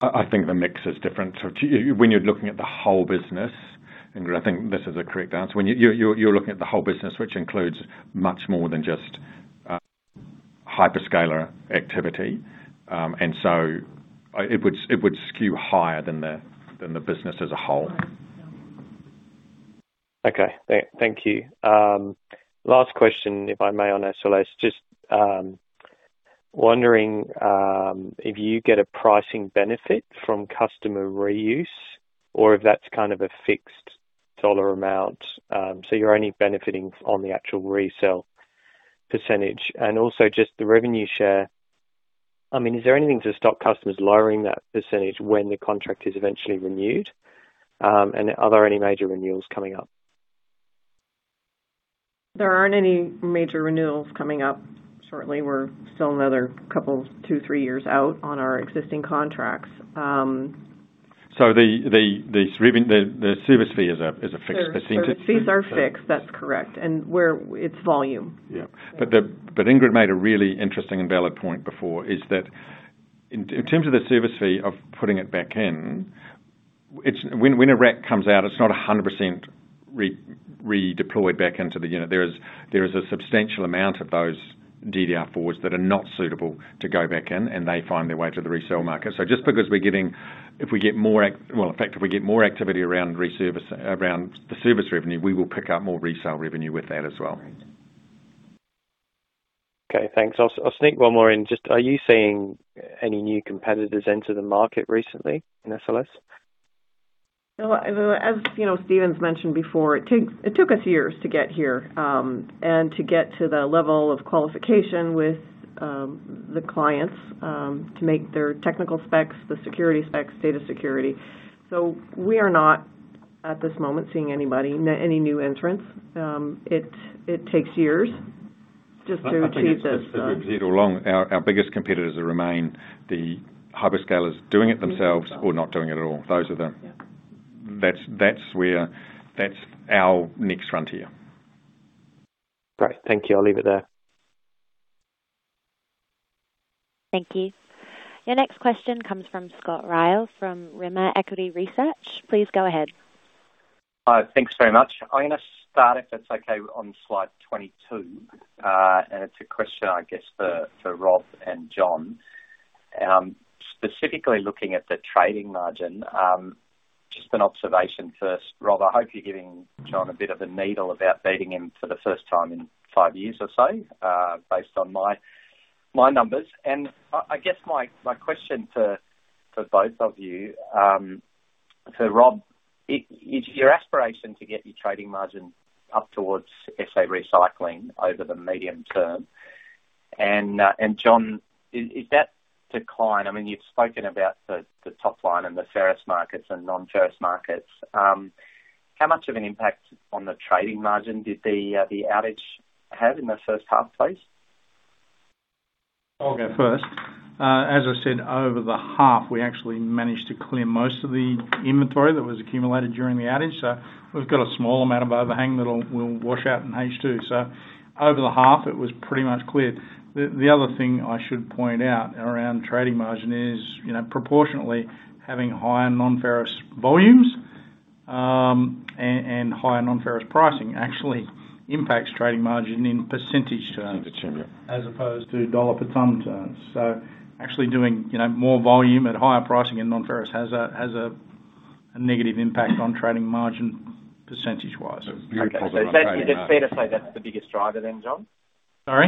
I think the mix is different. So to you, when you're looking at the whole business, and I think this is the correct answer, when you're looking at the whole business, which includes much more than just hyperscaler activity. So, it would skew higher than the business as a whole. Okay. Thank you. Last question, if I may, on SLS. Just wondering if you get a pricing benefit from customer reuse or if that's kind of a fixed dollar amount, so you're only benefiting on the actual resale percentage. And also just the revenue share. I mean, is there anything to stop customers lowering that percentage when the contract is eventually renewed? And are there any major renewals coming up? There aren't any major renewals coming up shortly. We're still another couple, 2, 3 years out on our existing contracts. So the service fee is a fixed percentage? Service fees are fixed, that's correct, and it's volume. But Ingrid made a really interesting and valid point before, is that in terms of the service fee of putting it back in when a rack comes out, it's not 100% redeployed back into the unit. There is a substantial amount of those DDR4s that are not suitable to go back in, and they find their way to the resale market. Well, in fact, if we get more activity around the service revenue, we will pick up more resale revenue with that as well. Okay, thanks. I'll sneak one more in. Just, are you seeing any new competitors enter the market recently in SLS? Well, as you know, Stephen mentioned before, it took us years to get here, and to get to the level of qualification with the clients, to make their technical specs, the security specs, data security. So we are not, at this moment, seeing anybody, any new entrants. It takes years just to achieve this. I think we've said it all along, our biggest competitors remain the hyperscalers doing it themselves or not doing it at all. That's where our next frontier. Great. Thank you. I'll leave it there. Thank you. Your next question comes from Scott Ryall, from Rimor Equity Research. Please go ahead. Hi, thanks very much. I'm gonna start, if that's okay, on slide 22. And it's a question, I guess, for Rob and John. Specifically looking at the trading margin, just an observation first. Rob, I hope you're giving John a bit of a needle about beating him for the first time in five years or so, based on my numbers. And I guess my question for both of you, to Rob, is your aspiration to get your trading margin up towards SA Recycling over the medium term? And John, is that decline you've spoken about the top line and the ferrous markets and non-ferrous markets. How much of an impact on the trading margin did the outage have in the first half phase? I'll go first. As I said, over the half, we actually managed to clear most of the inventory that was accumulated during the outage, so we've got a small amount of overhang that'll, will wash out in H2. So over the half, it was pretty much cleared. The, the other thing I should point out around trading margin is, you know, proportionately having higher non-ferrous volumes and higher non-ferrous pricing actually impacts trading margin in percentage terms as opposed to dollar per ton terms. Actually doing more volume at higher pricing in non-ferrous has a negative impact on trading margin percentage-wise. Okay. So is that, is it fair to say that's the biggest driver then, John, the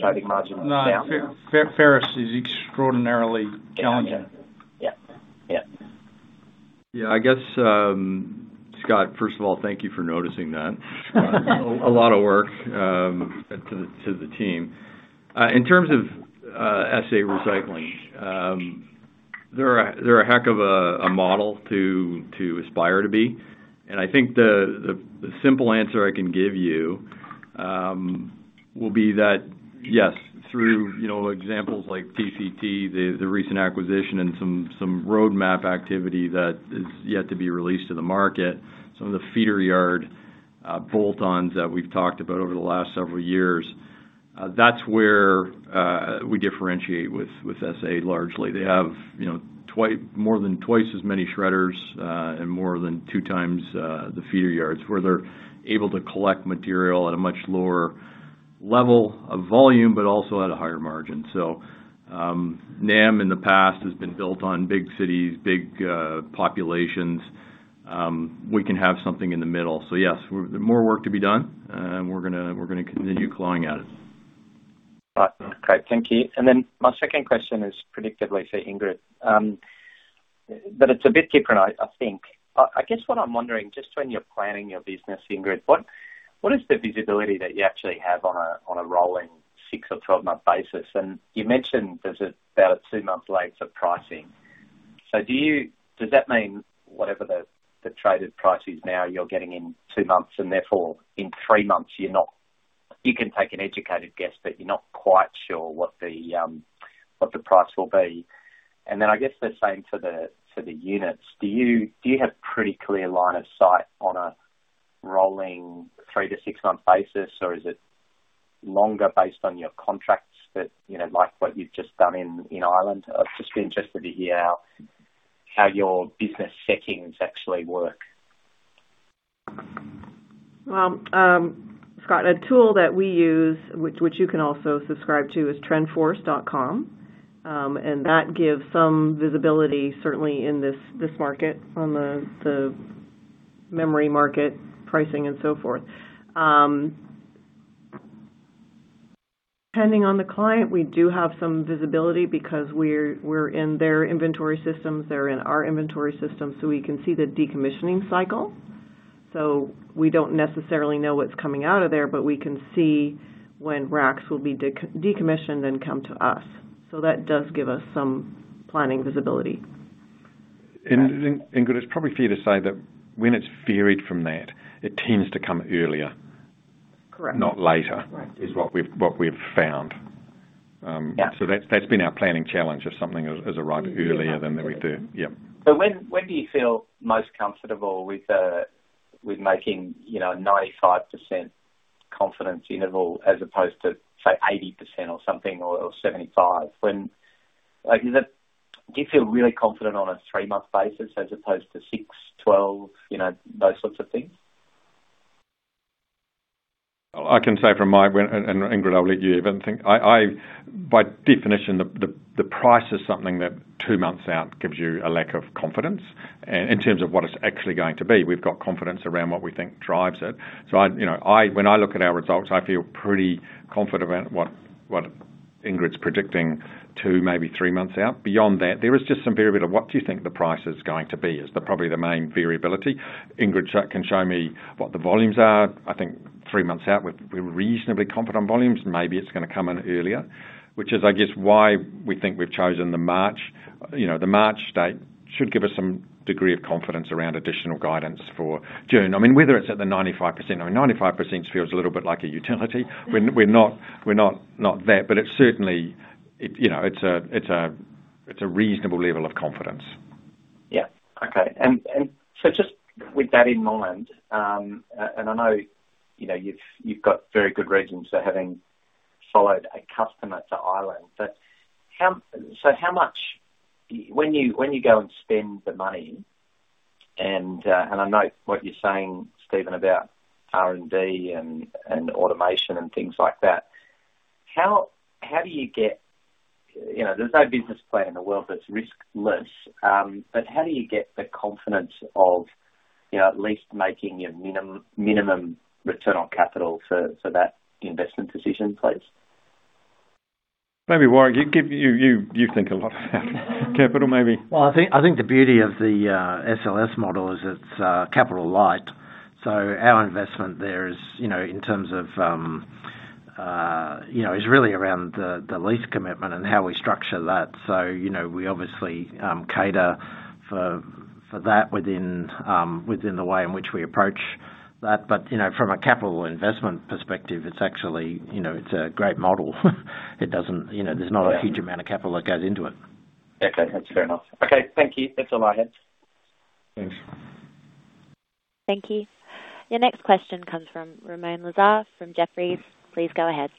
trading margin down? No, ferrous is extraordinarily challenging. Scott, first of all, thank you for noticing that. A lot of work to the team. In terms of SA Recycling, they're a heck of a model to aspire to be. And I think the simple answer I can give you will be that, yes, through, you know, examples like TCT, the recent acquisition and some roadmap activity that is yet to be released to the market, some of the feeder yard bolt-ons that we've talked about over the last several years, that's where we differentiate with SA largely. They have, you know, more than twice as many shredders, and more than 2x the feeder yards, where they're able to collect material at a much lower level of volume, but also at a higher margin. So, NAM in the past has been built on big cities, big populations. We can have something in the middle. So yes, there's more work to be done, and we're gonna, we're gonna continue clawing at it. Great. Thank you. And then my second question is predictably for Ingrid, but it's a bit different, I think. I guess what I'm wondering, just when you're planning your business, Ingrid, what is the visibility that you actually have on a rolling 6 or 12-month basis? And you mentioned there's about a 2-month lag of pricing. Does that mean whatever the traded price is now, you're getting in two months, and therefore, in three months, you can take an educated guess, but you're not quite sure what the price will be? And then I guess the same for the units. Do you have pretty clear line of sight on a rolling 3 to 6-month basis, or is it longer based on your contracts that, you know, like what you've just done in Ireland. I'm just interested to hear how your business settings actually work. Well, Scott, a tool that we use, which you can also subscribe to, is TrendForce.com. And that gives some visibility, certainly in this market, on the memory market pricing and so forth. Depending on the client, we do have some visibility because we're in their inventory systems, they're in our inventory system, so we can see the decommissioning cycle. So we don't necessarily know what's coming out of there, but we can see when racks will be decommissioned and come to us. So that does give us some planning visibility. Ingrid, it's probably fair to say that when it varies from that, it tends to come earlier not later, is what we've found. That's been our planning challenge, if something has arrived earlier than we do. So when do you feel most comfortable with making, you know, 95% confidence interval as opposed to, say, 80% or something, or 75%? Do you feel really confident on a three-month basis as opposed to 6, 12 those sorts of things? I can say, and Ingrid, I'll let you even think. I, by definition, the price is something that two months out gives you a lack of confidence in terms of what it's actually going to be. We've got confidence around what we think drives it. So you know, when I look at our results, I feel pretty confident about what Ingrid's predicting, two, maybe three months out. Beyond that, there is just some variability of what you think the price is going to be, is probably the main variability. Ingrid can show me what the volumes are. I think three months out, we're reasonably confident volumes. Maybe it's gonna come in earlier, which is why we think we've chosen the March. The March date should give us some degree of confidence around additional guidance for June. Whether it's at the 95% or 95% feels a little bit like a utility. We're not that, but it's a reasonable level of confidence. Just with that in mind, and I know, you've got very good reasons for having followed a customer to Ireland, but when you go and spend the money, and I know what you're saying, Stephen, about R&D and automation and things like that there's no business plan in the world that's riskless, but how do you get the confidence of at least making your minimum return on capital for that investment decision, please? Maybe, Warrick, you give, you think a lot about capital maybe. Well, the beauty of the SLS model is it's capital light. Our investment there is in terms of really around the lease commitment and how we structure that. We obviously cater for that within the way in which we approach that. But, from a capital investment perspective it's a great model. It doesn't, you know, there's not a huge amount of capital that goes into it. Okay. That's fair enough. Okay, thank you. That's all I had. Thanks. Thank you. Your next question comes from Ramoun Lazar from Jefferies. Please go ahead.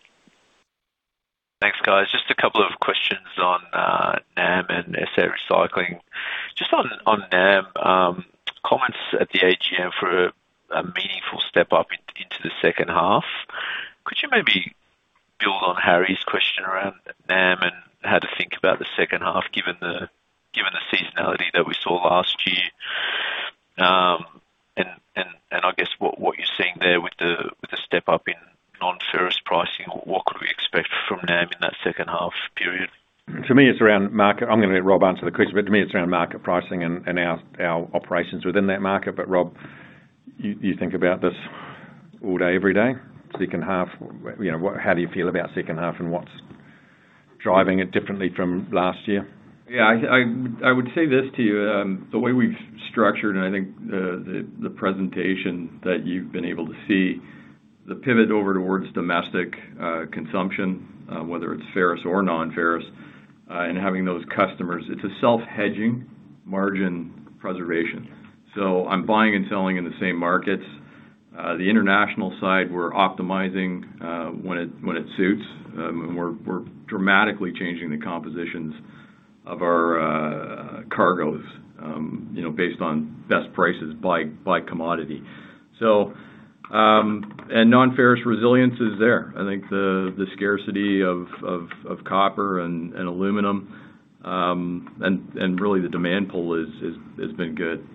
Thanks, guys. Just a couple of questions on NAM and SA Recycling. Just on NAM, comments at the AGM for a meaningful step up into the second half. Could you maybe build on Harry's question around NAM and how to think about the second half, given the seasonality that we saw last year? And I guess what you're seeing there with the step up in non-ferrous pricing, what could we expect from NAM in that second half period? To me, it's around market. I'm gonna let Rob answer the question, but to me, it's around market pricing and, and our, our operations within that market. But Rob, you, you think about this all day, every day. Second half, how do you feel about second half, and what's driving it differently from last year? I would say this to you, the way we've structured, and I think, the presentation that you've been able to see, the pivot over towards domestic consumption, whether it's ferrous or non-ferrous, and having those customers, it's a self-hedging margin preservation. So I'm buying and selling in the same markets. The international side, we're optimizing, when it suits, and we're dramatically changing the compositions of our cargoes, you know, based on best prices by commodity. So, and non-ferrous resilience is there. I think the scarcity of copper and aluminum, and really the demand pull is, has been good.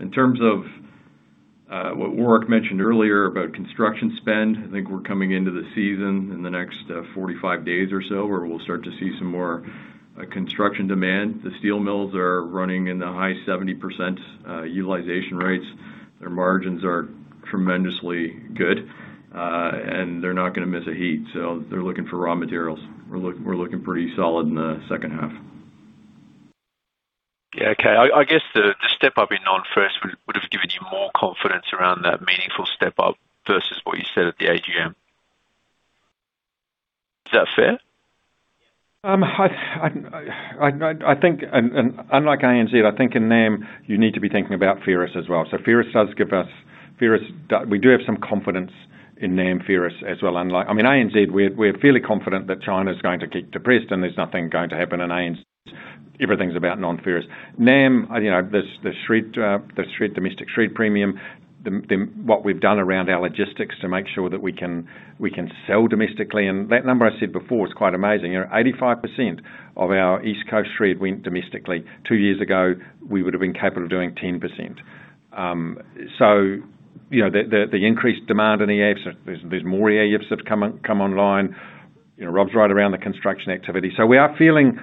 In terms of what Warrick mentioned earlier about construction spend, I think we're coming into the season in the next 45 days or so, where we'll start to see some more construction demand. The steel mills are running in the high 70% utilization rates. Their margins are tremendously good, and they're not gonna miss a heat, so they're looking for raw materials. We're looking pretty solid in the second half. I guess the step up in non-ferrous would have given you more confidence around that meaningful step up versus what you said at the AGM. Is that fair? I think, and unlike ANZ, I think in NAM, you need to be thinking about ferrous as well. So ferrous does give us, we do have some confidence in NAM ferrous as well, ANZ, we're fairly confident that China's going to keep depressed, and there's nothing going to happen in ANZ. Everything's about non-ferrous. NAM, you know, the shred, the domestic shred premium, the what we've done around our logistics to make sure that we can sell domestically, and that number I said before is quite amazing. You know, 85% of our East Coast shred went domestically. Two years ago, we would have been capable of doing 10%. So you know, the increased demand in EAFs, there's more EAFs that have come online. Rob's right around the construction activity. So we are feeling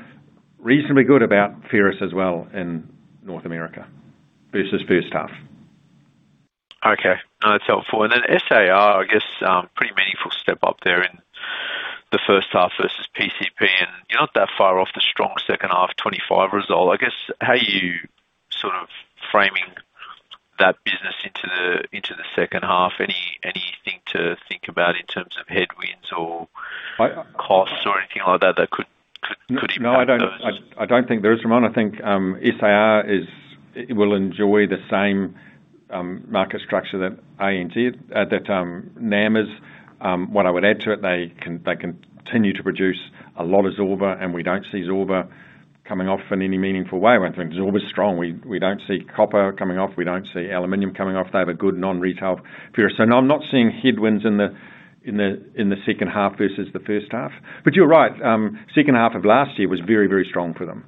reasonably good about ferrous as well in North America versus first half. Okay, that's helpful. And then SAR, I guess, pretty meaningful step up there in the first half versus PCP, and you're not that far off the strong second half 2025 result. I guess, how are you sort of framing that business into the, into the second half? Anything to think about in terms of headwinds or costs or anything like that that could impact us? No, I don't think there is, Ramoun. I think SAR will enjoy the same market structure that ANZ that NAM is. What I would add to it, they continue to produce a lot of Zorba, and we don't see Zorba coming off in any meaningful way. I think Zorba's strong. We don't see copper coming off. We don't see aluminum coming off. They have a good non-ferrous. So no, I'm not seeing headwinds in the second half versus the first half. But you're right, second half of last year was very, very strong for them.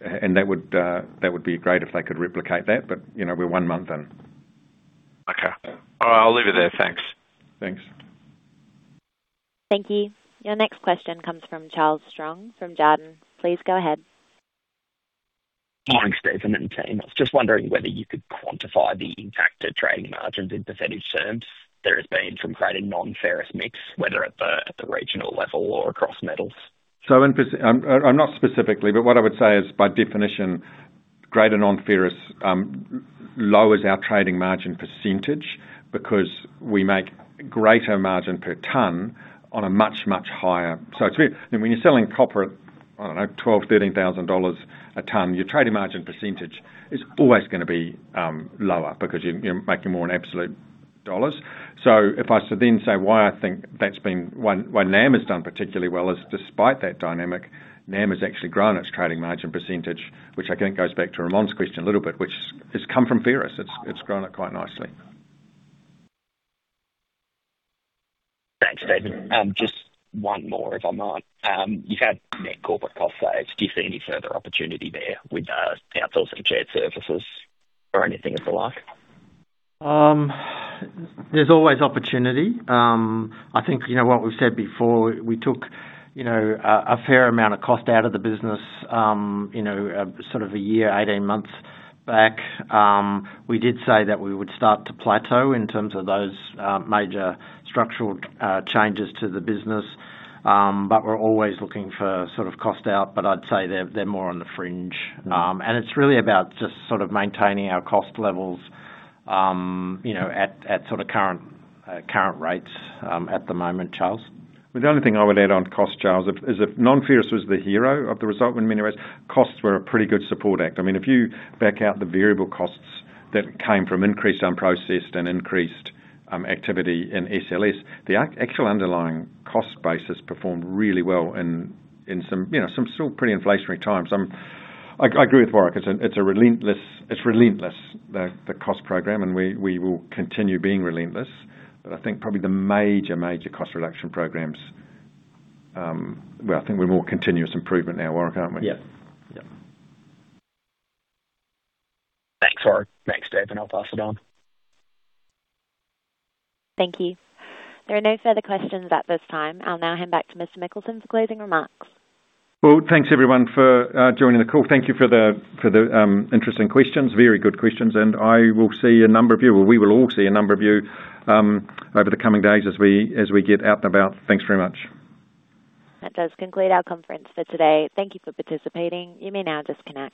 And that would be great if they could replicate that, but you know, we're one month in. Okay. All right, I'll leave it there. Thanks. Thanks. Thank you. Your next question comes from Charles Strong, from Jarden. Please go ahead. Hi, Stephen and team. I was just wondering whether you could quantify the impact of trading margins in percentage terms there has been from greater non-ferrous mix, whether at the regional level or across metals. Not specifically, but what I would say is, by definition, greater non-ferrous lowers our trading margin percentage because we make greater margin per ton on a much, much higher. So it's weird, when you're selling copper at $12,000-$13,000 a ton, your trading margin percentage is always gonna be lower because you're making more in absolute dollars. So if I should then say why I think that's been. Why NAM has done particularly well is despite that dynamic, NAM has actually grown its trading margin percentage, which I think goes back to Ramoun's question a little bit, which has come from ferrous. It's grown up quite nicely. Thanks, Stephen. Just one more, if I might. You've had net corporate cost saves. Do you see any further opportunity there with outsourcing shared services or anything of the like? There's always opportunity. I think, you know what we've said before, we took, you know, a fair amount of cost out of the business, sort of a year, 18 months back. We did say that we would start to plateau in terms of those, major structural, changes to the business. But we're always looking for sort of cost out, but I'd say they're more on the fringe. And it's really about just sort of maintaining our cost levels, you know, at sort of current, current rates, at the moment, Charles. The only thing I would add on cost, Charles, is if non-ferrous was the hero of the result in many ways, costs were a pretty good support act. I mean, if you back out the variable costs that came from increased unprocessed and increased activity in SLS, the actual underlying cost base has performed really well in some, you know, some still pretty inflationary times. I agree with Warrick, it's a relentless. The cost program, and we will continue being relentless. But I think probably the major, major cost reduction programs, well, I think we're more continuous improvement now, Warrick, aren't we? Yep. Thanks, Warrick. Thanks, Stephen. I'll pass it on. Thank you. There are no further questions at this time. I'll now hand back to Mr. Mikkelsen for closing remarks. Well, thanks everyone for joining the call. Thank you for the interesting questions, very good questions, and I will see a number of you, or we will all see a number of you, over the coming days as we get out and about. Thanks very much. That does conclude our conference for today. Thank you for participating. You may now disconnect.